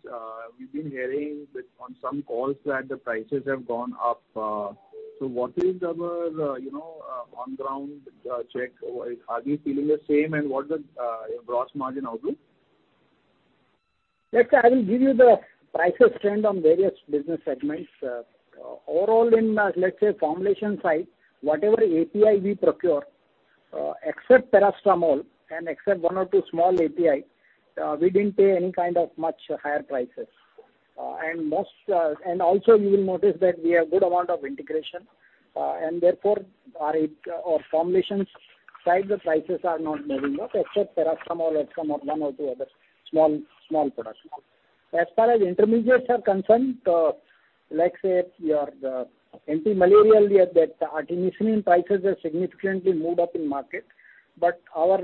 we've been hearing on some calls that the prices have gone up. What is your on-ground check? Are you feeling the same and what is the gross margin outlook? Yes. I will give you the price trend on various business segments. Overall in, let's say, formulation side, whatever API we procure, except paracetamol and except one or two small API, we didn't pay any kind of much higher prices. Also you will notice that we have good amount of integration, and therefore our formulation side the prices are not moving up except paracetamol, except for one or two other small paracetamol. As far as intermediates are concerned, let's say your antimalarial, your artemisinin prices have significantly moved up in market, but our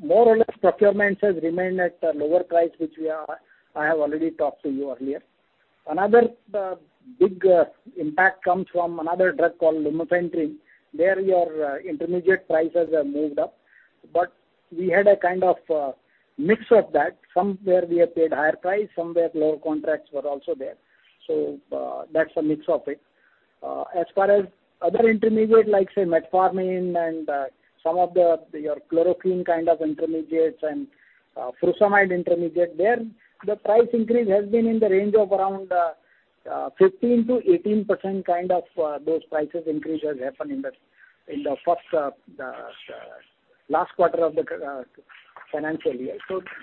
more or less procurements have remained at lower price, which I have already talked to you earlier. Another big impact comes from another drug called lumefantrine. There your intermediate prices have moved up, but we had a kind of mix of that. Somewhere we have paid higher price, somewhere lower contracts were also there. That's a mix of it. As far as other intermediate, like say metformin and some of the chloroquine kind of intermediates and furosemide intermediate, there the price increase has been in the range of around 15%-18% kind of those prices increases happened in the last quarter of the financial year.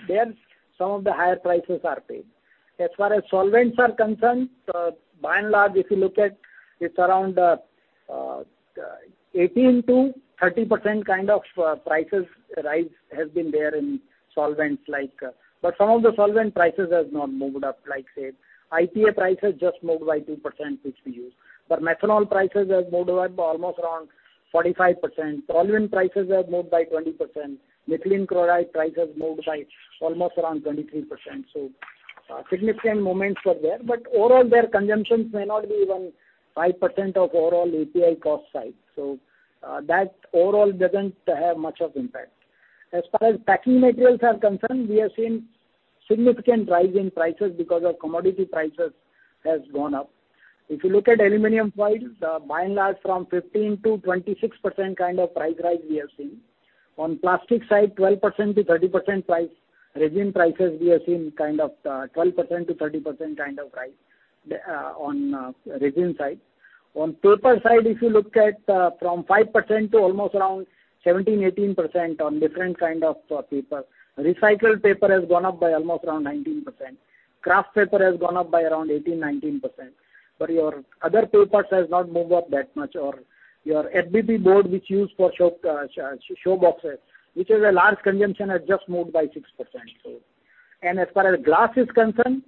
There some of the higher prices are paid. As far as solvents are concerned, by and large, if you look at, it's around 18%-30% kind of prices rise has been there in solvents. Some of the solvent prices has not moved up. Like say, IPA prices just moved by 2%, which we use. Methanol prices have moved up almost around 45%. Toluene prices have moved by 20%. Methylene chloride prices moved by almost around 23%. Significant movements were there, overall their consumptions may not be even 5% of overall API cost side. That overall doesn't have much of impact. As far as packing materials are concerned, we have seen significant rise in prices because of commodity prices has gone up. If you look at aluminum foils, mine large from 15%-26% kind of price rise we have seen. On plastic side, 12%-30% resin prices we have seen, 12%-30% kind of rise on resin side. On paper side, if you look at from 5% to almost around 17%-18% on different kind of paper. Recycled paper has gone up by almost around 19%. Kraft paper has gone up by around 18%-19%, your other papers has not moved up that much. Your FBB board, which used for show boxes, which has a large consumption, has just moved by 6%. As far as glass is concerned,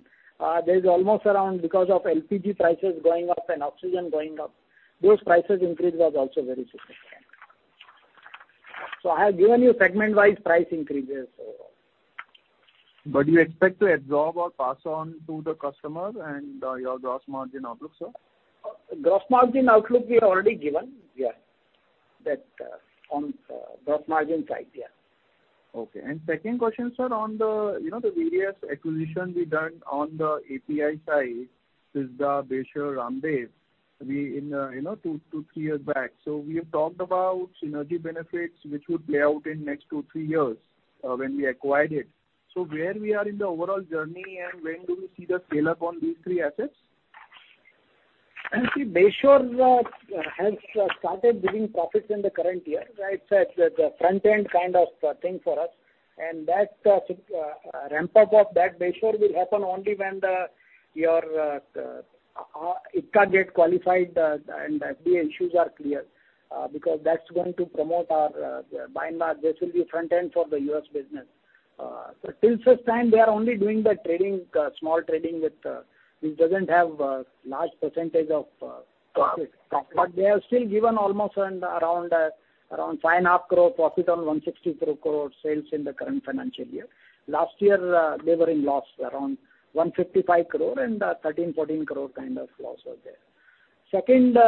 there is almost around, because of LPG prices going up and oxygen going up, those prices increase was also very significant. I have given you segment-wise price increases. You expect to absorb or pass on to the customer and your gross margin outlook, sir? Gross margin outlook we have already given. Yes. That's on gross margin side. Yeah. Okay. Second question, sir, on the various acquisitions we done on the API side, Sejavta, Bayshore, and Ramdev two to three years back. We have talked about synergy benefits which would play out in next two, three years when we acquired it. Where we are in the overall journey and when do we see the scale up on these three assets? See, Bayshore has started giving profits in the current year. It's a front-end kind of thing for us, and ramp-up of that Bayshore will happen only when your Ipca get qualified and the issues are clear because that's going to promote our mine. This will be front-end for the U.S. business. Till such time they are only doing the small trading with, which doesn't have a large percentage of profit. They have still given almost around 5.5 crore profit on 160 crore sales in the current financial year. Last year, they were in loss, around 155 crore and 13 crore-14 crore kind of loss was there. Second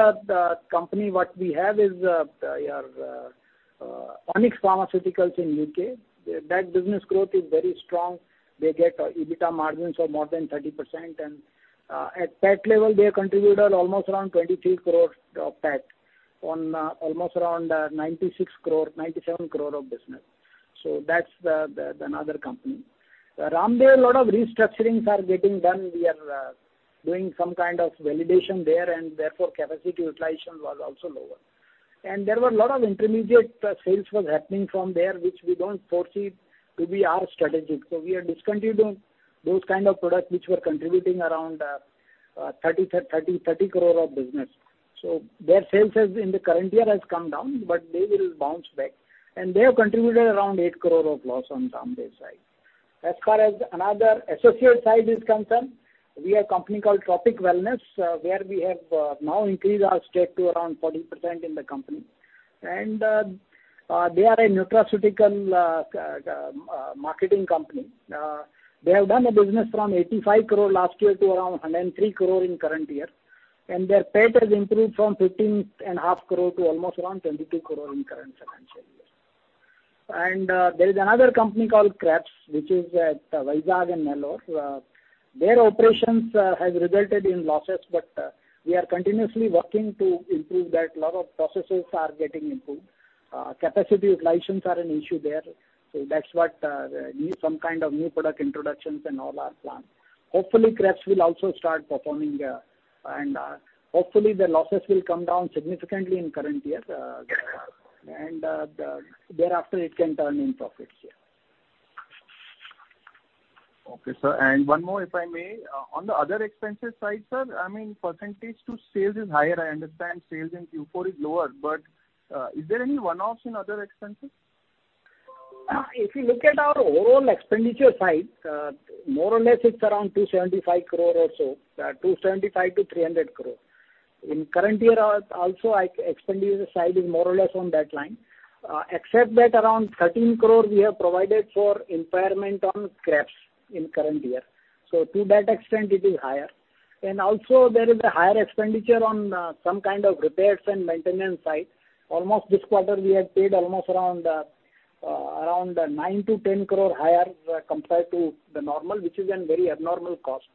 company what we have is, Onyx Scientific in U.K. That business growth is very strong. They get EBITDA margins of more than 30%, and at PAT level, they contributed almost around 23 crore PAT on almost around 96 crore, 97 crore of business. That's another company. Ramdev, lot of restructurings are getting done. We are doing some kind of validation there, and therefore capacity utilization was also lower. There were a lot of intermediate sales was happening from there, which we don't foresee to be our strategy. We are discontinuing those kind of products which were contributing around 30 crore of business. Their sales in the current year has come down, but they will bounce back. They have contributed around 8 crore of loss on Ramdev side. As far as another associate side is concerned, we have company called Trophic Wellness, where we have now increased our stake to around 40% in the company. They are a nutraceutical marketing company. They have done a business from 85 crore last year to around 103 crore in current year. Their PAT has increased from 15.5 crore to almost around 22 crore in current financial year. There's another company called Krebs, which is at Vizag and Nellore. Their operations has resulted in losses, but we are continuously working to improve that. Lot of processes are getting improved. Capacity utilizations are an issue there. That's what needs some kind of new product introductions and all are planned. Hopefully, Krebs will also start performing, and hopefully the losses will come down significantly in current year, and thereafter it can turn into profits. Yeah. Okay, sir. One more, if I may. On the other expenses side, sir, percentage to sales is higher. I understand sales in Q4 is lower, but is there any one-offs in other expenses? If you look at our overall expenditure side, more or less it is around 275 crore or so, 275 crore-300 crore. In current year also, expenditure side is more or less on that line. Except that around 13 crore we have provided for impairment on Krebs in current year. To that extent it is higher. Also there is a higher expenditure on some kind of repairs and maintenance side. Almost this quarter we have paid almost around 9 crore-10 crore higher compared to the normal, which is an very abnormal cost.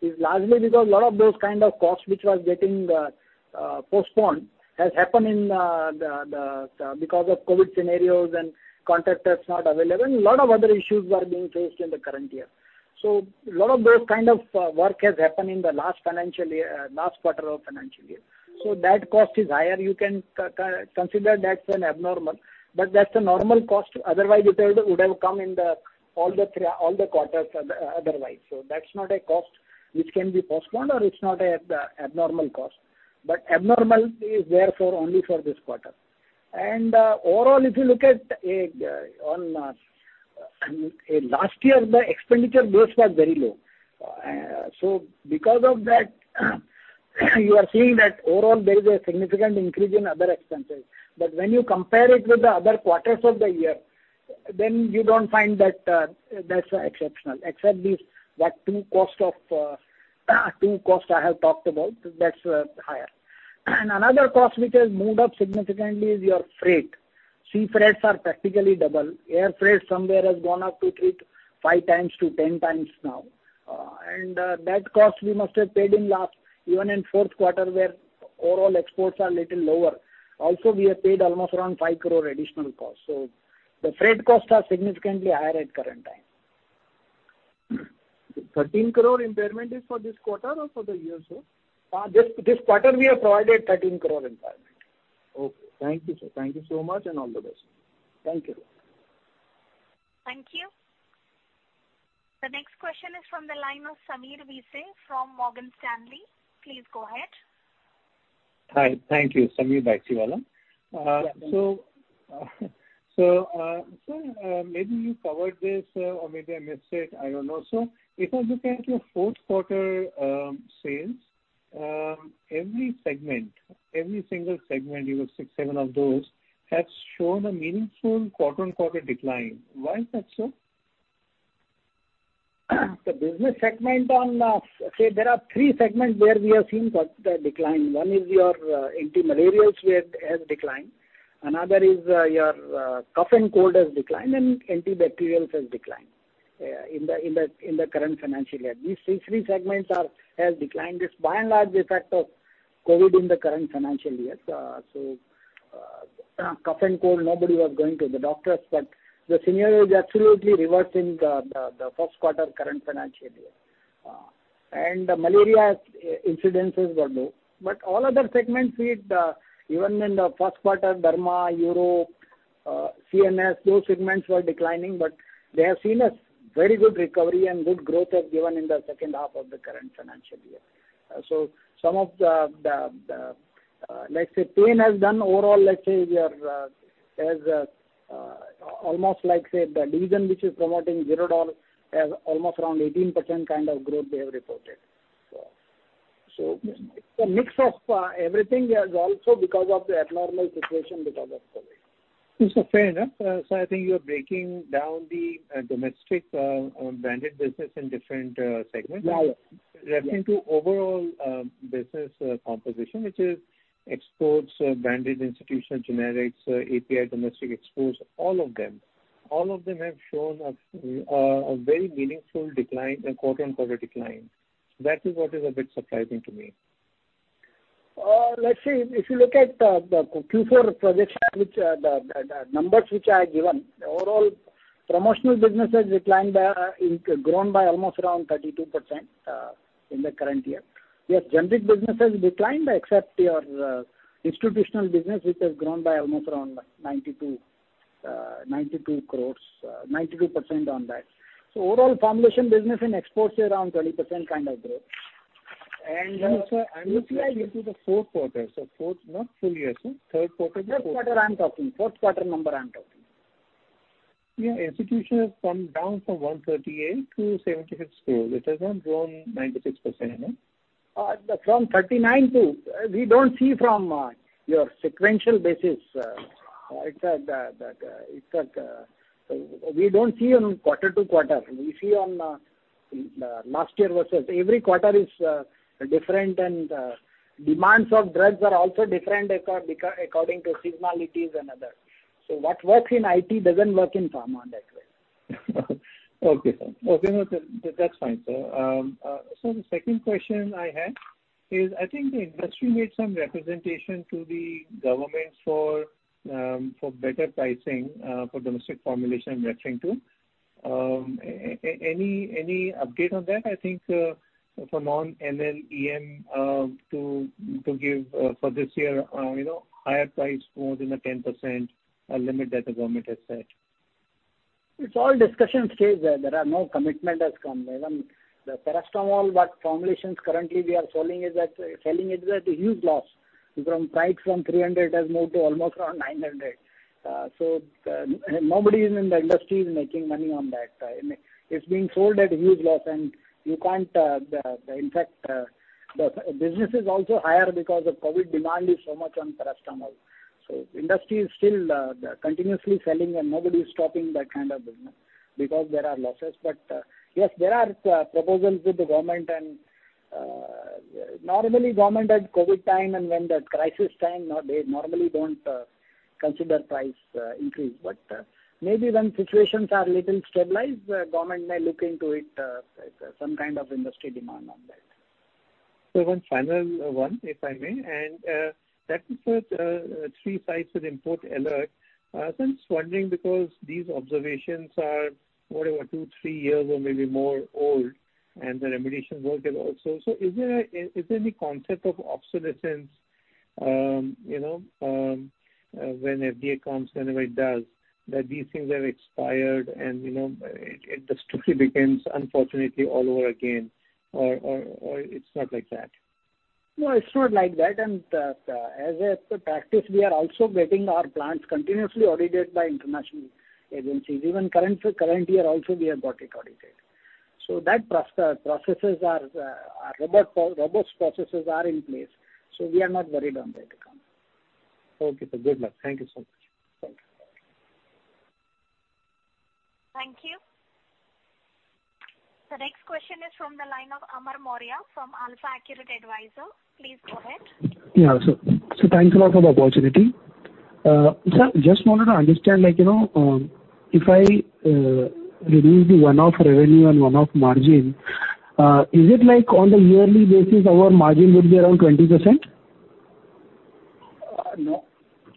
It's largely because a lot of those kind of costs which was getting postponed has happened because of COVID scenarios and contractors not available. A lot of other issues were being faced in the current year. A lot of those kind of work has happened in the last quarter of financial year. That cost is higher. You can consider that's an abnormal, but that's a normal cost. Otherwise it would have come in all the quarters otherwise. That's not a cost which can be postponed or it's not abnormal cost. Abnormal is there for only for this quarter. Overall, if you look at on last year, the expenditure base was very low. Because of that, you are seeing that overall there is a significant increase in other expenses. When you compare it with the other quarters of the year, you don't find that's exceptional, except these what two costs I have talked about, that's higher. Another cost which has moved up significantly is your freight. Sea freights are practically double. Airfreight somewhere has gone up to 5x-10x now. That cost we must have paid in even in the fourth quarter, where overall exports are little lower. We have paid almost around 5 crore additional cost. The freight costs are significantly higher at current time. 13 crore impairment is for this quarter or for the year, sir? This quarter we have provided 13 crore impairment. Okay. Thank you, sir. Thank you so much. All the best. Thank you. Thank you. The next question is from the line of Sameer Baisiwala from Morgan Stanley. Please go ahead. Hi. Thank you. Sameer Baisiwala. Yeah. Maybe you covered this, or maybe I missed it, I don't know. If I look at your fourth quarter sales, every single segment, you have six, seven of those, has shown a meaningful quarter-over-quarter decline. Why is that so? There are three segments where we are seeing decline. One is your antimalarial has declined. Another is your cough and cold has declined. Antibacterial has declined in the current financial year. These three segments have declined. It's by and large the effect of COVID in the current financial year. Cough and cold, nobody was going to the doctors. The scenario is absolutely reversing the first quarter current financial year. Malaria incidences were low. All other segments, even in the first quarter, Derma, Uro, CNS, those segments were declining. They have seen a very good recovery and good growth has given in the second half of the current financial year. Some of the pain has done overall almost the region which is promoting Zerodol has almost around 18% kind of growth they have reported. It's a mix of everything and also because of the abnormal situation because of COVID. Fair enough. I think you're breaking down the domestic branded business in different segments. Yeah. I think to overall business composition, which is exports, branded institutional generics, API, domestic exports, all of them. All of them have shown a very meaningful quarter-on-quarter decline. That is what is a bit surprising to me. Let's see. If you look at the Q4 projection, the numbers which are given. Overall, promotional business has grown by almost around 32% in the current year. Yes, generic business has declined except your institutional business, which has grown by almost around 92% on that. Overall formulation business and exports is around 20% kind of growth. No, sir. I'm looking into the fourth quarter. fourth, no, sorry, third quarter. Third quarter I'm talking. Fourth quarter number I'm talking. Yeah. Institutional has come down from 138 crore-76 crore. This has grown 96% again. From 39 to We don't see from your sequential basis. We don't see on quarter-to-quarter. We see on last year versus every quarter is different, and demands of drugs are also different according to seasonalities and other. What works in IT doesn't work in pharma that way. Okay, sir. That's fine, sir. The second question I had is, I think the industry made some representation to the government for better pricing for domestic formulation. Any update on that? I think for non-NLEM to give for this year higher price more than the 10% limit that the government has set. It's all discussions stage there. There are no commitment that's come. First of all, what formulations currently we are selling it at a huge loss. Price from 300 has moved to almost around 900. Nobody in the industry is making money on that. It's being sold at huge loss, and in fact, the business is also higher because the COVID demand is so much on paracetamol. Industry is still continuously selling and nobody is stopping that kind of business because there are losses. Yes, there are proposals with the government, and normally government at COVID time and when there's crisis time, they normally don't consider price increase. Maybe when situations are little stabilized, government may look into it, some kind of industry demand on that. One final one, if I may, and that is with three sites an import alert. I was wondering because these observations are, what are they, two, three years or maybe more old, and the remediation work is also. Is there any concept of obsolescence when FDA comes, whenever it does, that these things have expired and it basically becomes unfortunately all over again, or it's not like that? No, it's not like that. As a practice, we are also getting our plants continuously audited by international agencies. Even currently also we are audited. Robust processes are in place. We are not worried on that account. Okay. Good luck. Thank you so much. Thank you. Thank you. The next question is from the line of Amar Maurya from AlfAccurate Advisors. Please go ahead. Yeah, sure. Thanks a lot for the opportunity. Sir, just wanted to understand, if I reduce the one-off revenue and one-off margin, is it like on the yearly basis, our margin would be around 20%? No.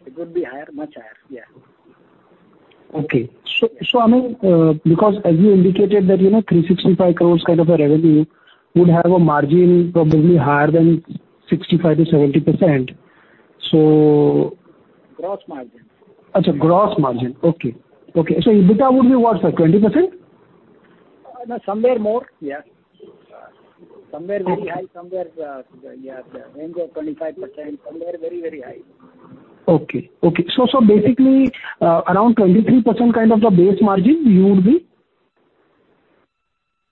It would be higher, much higher. Yeah. Okay. Because as you indicated that 365 crores kind of a revenue would have a margin probably higher than 65%-70%. Gross margin. Okay, gross margin. Okay. EBITDA would be what, sir, 20%? No, somewhere more. Yeah. Somewhere very high, somewhere in the range of 25%, somewhere very, very high. Okay. Basically, around 23% kind of the base margin you would be?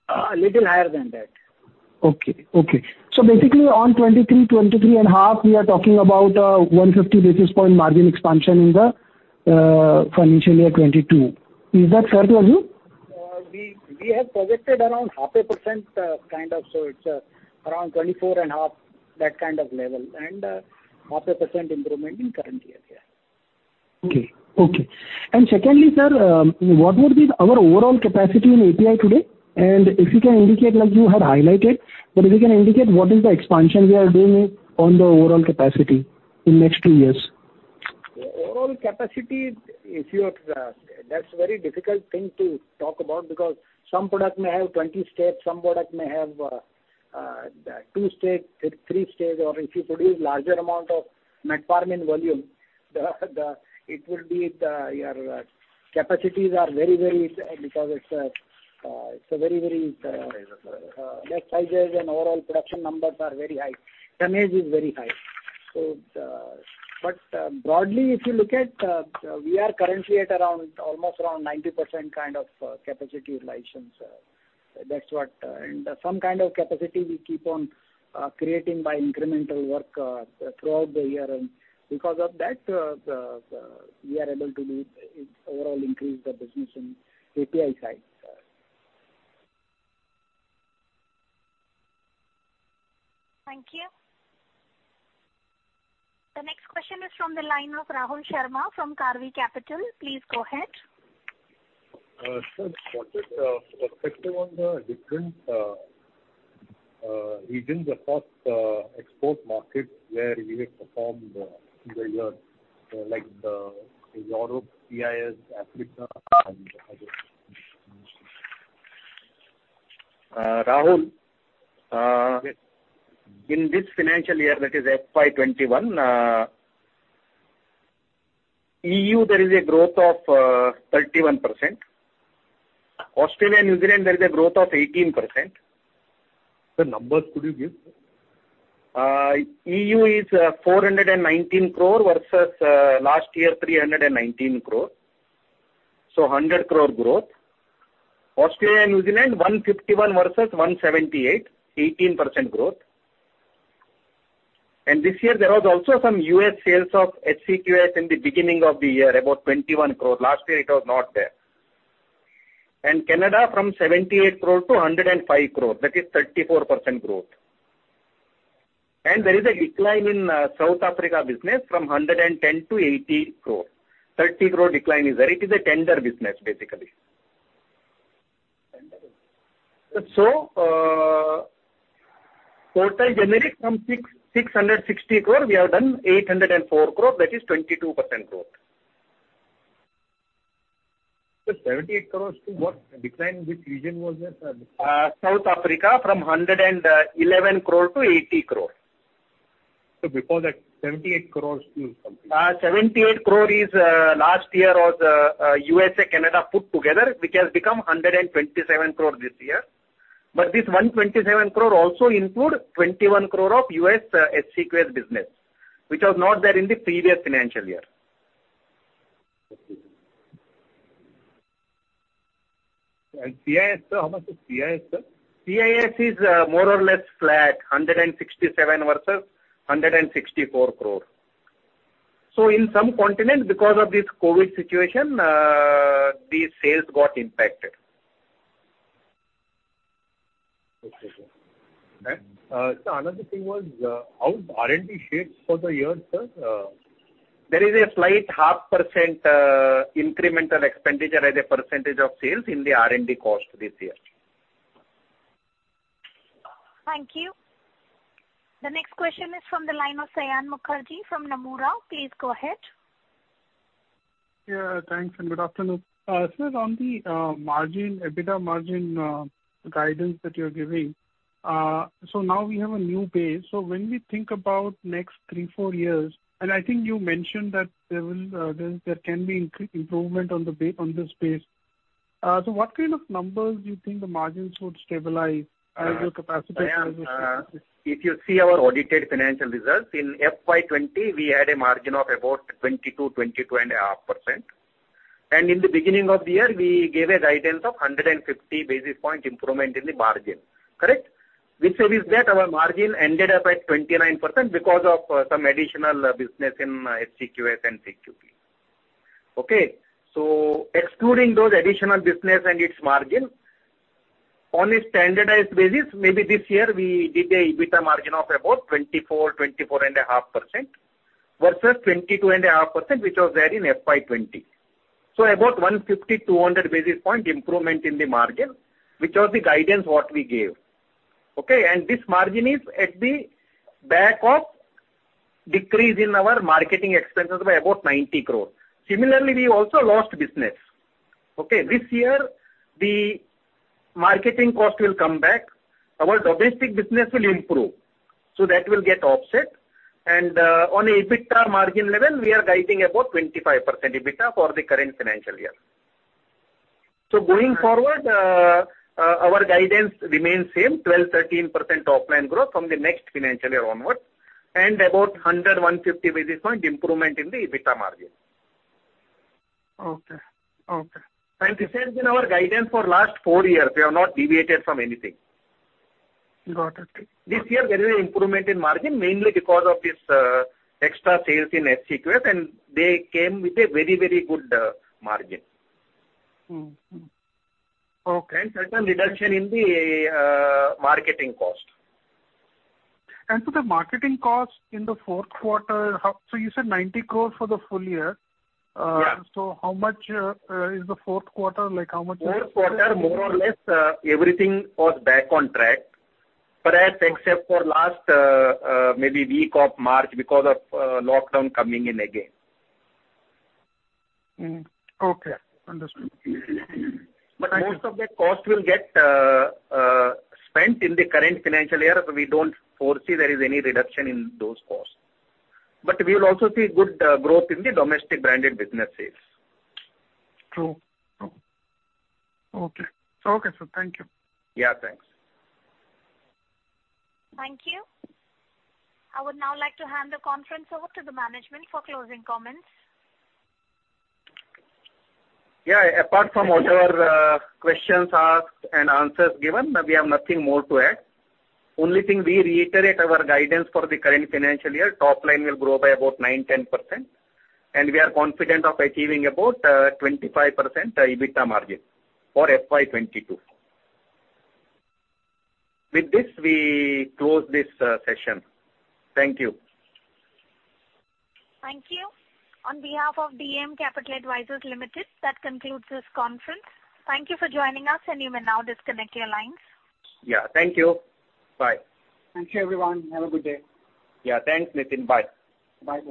A little higher than that. Okay. Basically, on 23%, 23.5%, we are talking about a 150 basis points margin expansion in the FY 2022. Is that fair to assume? We have projected around half a percent kind of, so it's around 24.5, that kind of level, and half a percent improvement in current year. Yeah. Okay. Secondly, sir, what would be our overall capacity in API today? If you can indicate, like you had highlighted, but if you can indicate what is the expansion we are doing on the overall capacity in next two years. Overall capacity, that's a very difficult thing to talk about because some product may have 20 steps, some product may have two steps, three steps, or if you produce larger amount of metformin volume, your capacities are Because it's a very, very less sizes and overall production numbers are very high. Tonnage is very high. Broadly, if you look at, we are currently at almost around 90% kind of capacity utilization. Some kind of capacity we keep on creating by incremental work throughout the year, and because of that, we are able to overall increase the business in API side. Thank you. The next question is from the line of Rahul Sharma from Karvy Capital. Please go ahead. Sir, what is the perspective on the different regions across export markets where you have performed in the year? Like the Europe, CIS, Africa, and others. Rahul, in this financial year that is FY 2021, EU, there is a growth of 31%. Australia and New Zealand, there is a growth of 18%. Sir, numbers could you give? EU is 419 crore versus last year, 319 crore. 100 crore growth. Australia and New Zealand, 151 versus 178, 18% growth. This year, there was also some U.S. sales of HCQS in the beginning of the year, about 21 crore. Last year, it was not there. Canada, from 78 crore-105 crore, that is 34% growth. There is a decline in South Africa business from 110 crore-80 crore. 30 crore decline is there. It is a tender business, basically. Tender business. Total generic from 660 crore, we have done 804 crore, that is 22% growth. 78 crores to what decline, which region was that, sir? South Africa, from 111 crore-80 crore. Sir, before that, 78 crores to complete. 78 crore is last year was USA, Canada put together, which has become 127 crore this year. This 127 crore also include 21 crore of U.S. HCQS business, which was not there in the previous financial year. Okay. CIS, sir, how much is CIS, sir? CIS is more or less flat, 167 crore versus 164 crore. In some continents, because of this COVID situation, the sales got impacted. Okay, sir. Sir, another thing was how R&D shapes for the year, sir? There is a slight half percent incremental expenditure as a percentage of sales in the R&D cost this year. Thank you. The next question is from the line of Saion Mukherjee from Nomura. Please go ahead. Yeah, thanks and good afternoon. Sir, on the EBITDA margin guidance that you're giving, now we have a new base. When we think about next three, four years, and I think you mentioned that there can be improvement on this base. What kind of numbers do you think the margins would stabilize as your capacity grows? Saion, if you see our audited financial results, in FY 2020, we had a margin of about 22%-22.5%. In the beginning of the year, we gave a guidance of 150 basis point improvement in the margin. Correct? Which means that our margin ended up at 29% because of some additional business in HCQS and HCQ Plus. Okay. Excluding that additional business and its margin, on a standardized basis, maybe this year we did an EBITDA margin of about 24%-24.5% versus 22.5%, which was there in FY 2020. About 150-200 basis point improvement in the margin, which was the guidance what we gave. Okay. This margin is at the back of decrease in our marketing expenses by about 90 crore. Similarly, we also lost business. Okay. This year, the marketing cost will come back, our domestic business will improve, so that will get offset. On EBITDA margin level, we are guiding about 25% EBITDA for the current financial year. Going forward, our guidance remains same, 12%-13% top-line growth from the next financial year onwards, and about 100-150 basis point improvement in the EBITDA margin. Okay. This has been our guidance for last four years. We have not deviated from anything. Got it. This year there is an improvement in margin mainly because of this extra sales in HCQS, and they came with a very good margin. Okay. A reduction in the marketing cost. The marketing cost in the fourth quarter, so you said 90 crore for the full year. Yeah. How much is the fourth quarter? Fourth quarter more or less everything was back on track. Perhaps except for last maybe week of March because of lockdown coming in again. Okay. Understood. Most of that cost will get spent in the current financial year, so we don't foresee there is any reduction in those costs. We will also see good growth in the domestic branded businesses. True. Okay, sir. Thank you. Yeah, thanks. Thank you. I would now like to hand the conference over to the management for closing comments. Yeah. Apart from whatever questions asked and answers given, we have nothing more to add. Only thing, we reiterate our guidance for the current financial year. Top line will grow by about 9%-10%, and we are confident of achieving about 25% EBITDA margin for FY 2022. With this, we close this session. Thank you. Thank you. On behalf of DAM Capital Advisors Limited, that concludes this conference. Thank you for joining us, and you may now disconnect your lines. Yeah, thank you. Bye. Thank you, everyone. Have a good day. Yeah, thanks, Nitin. Bye. Bye.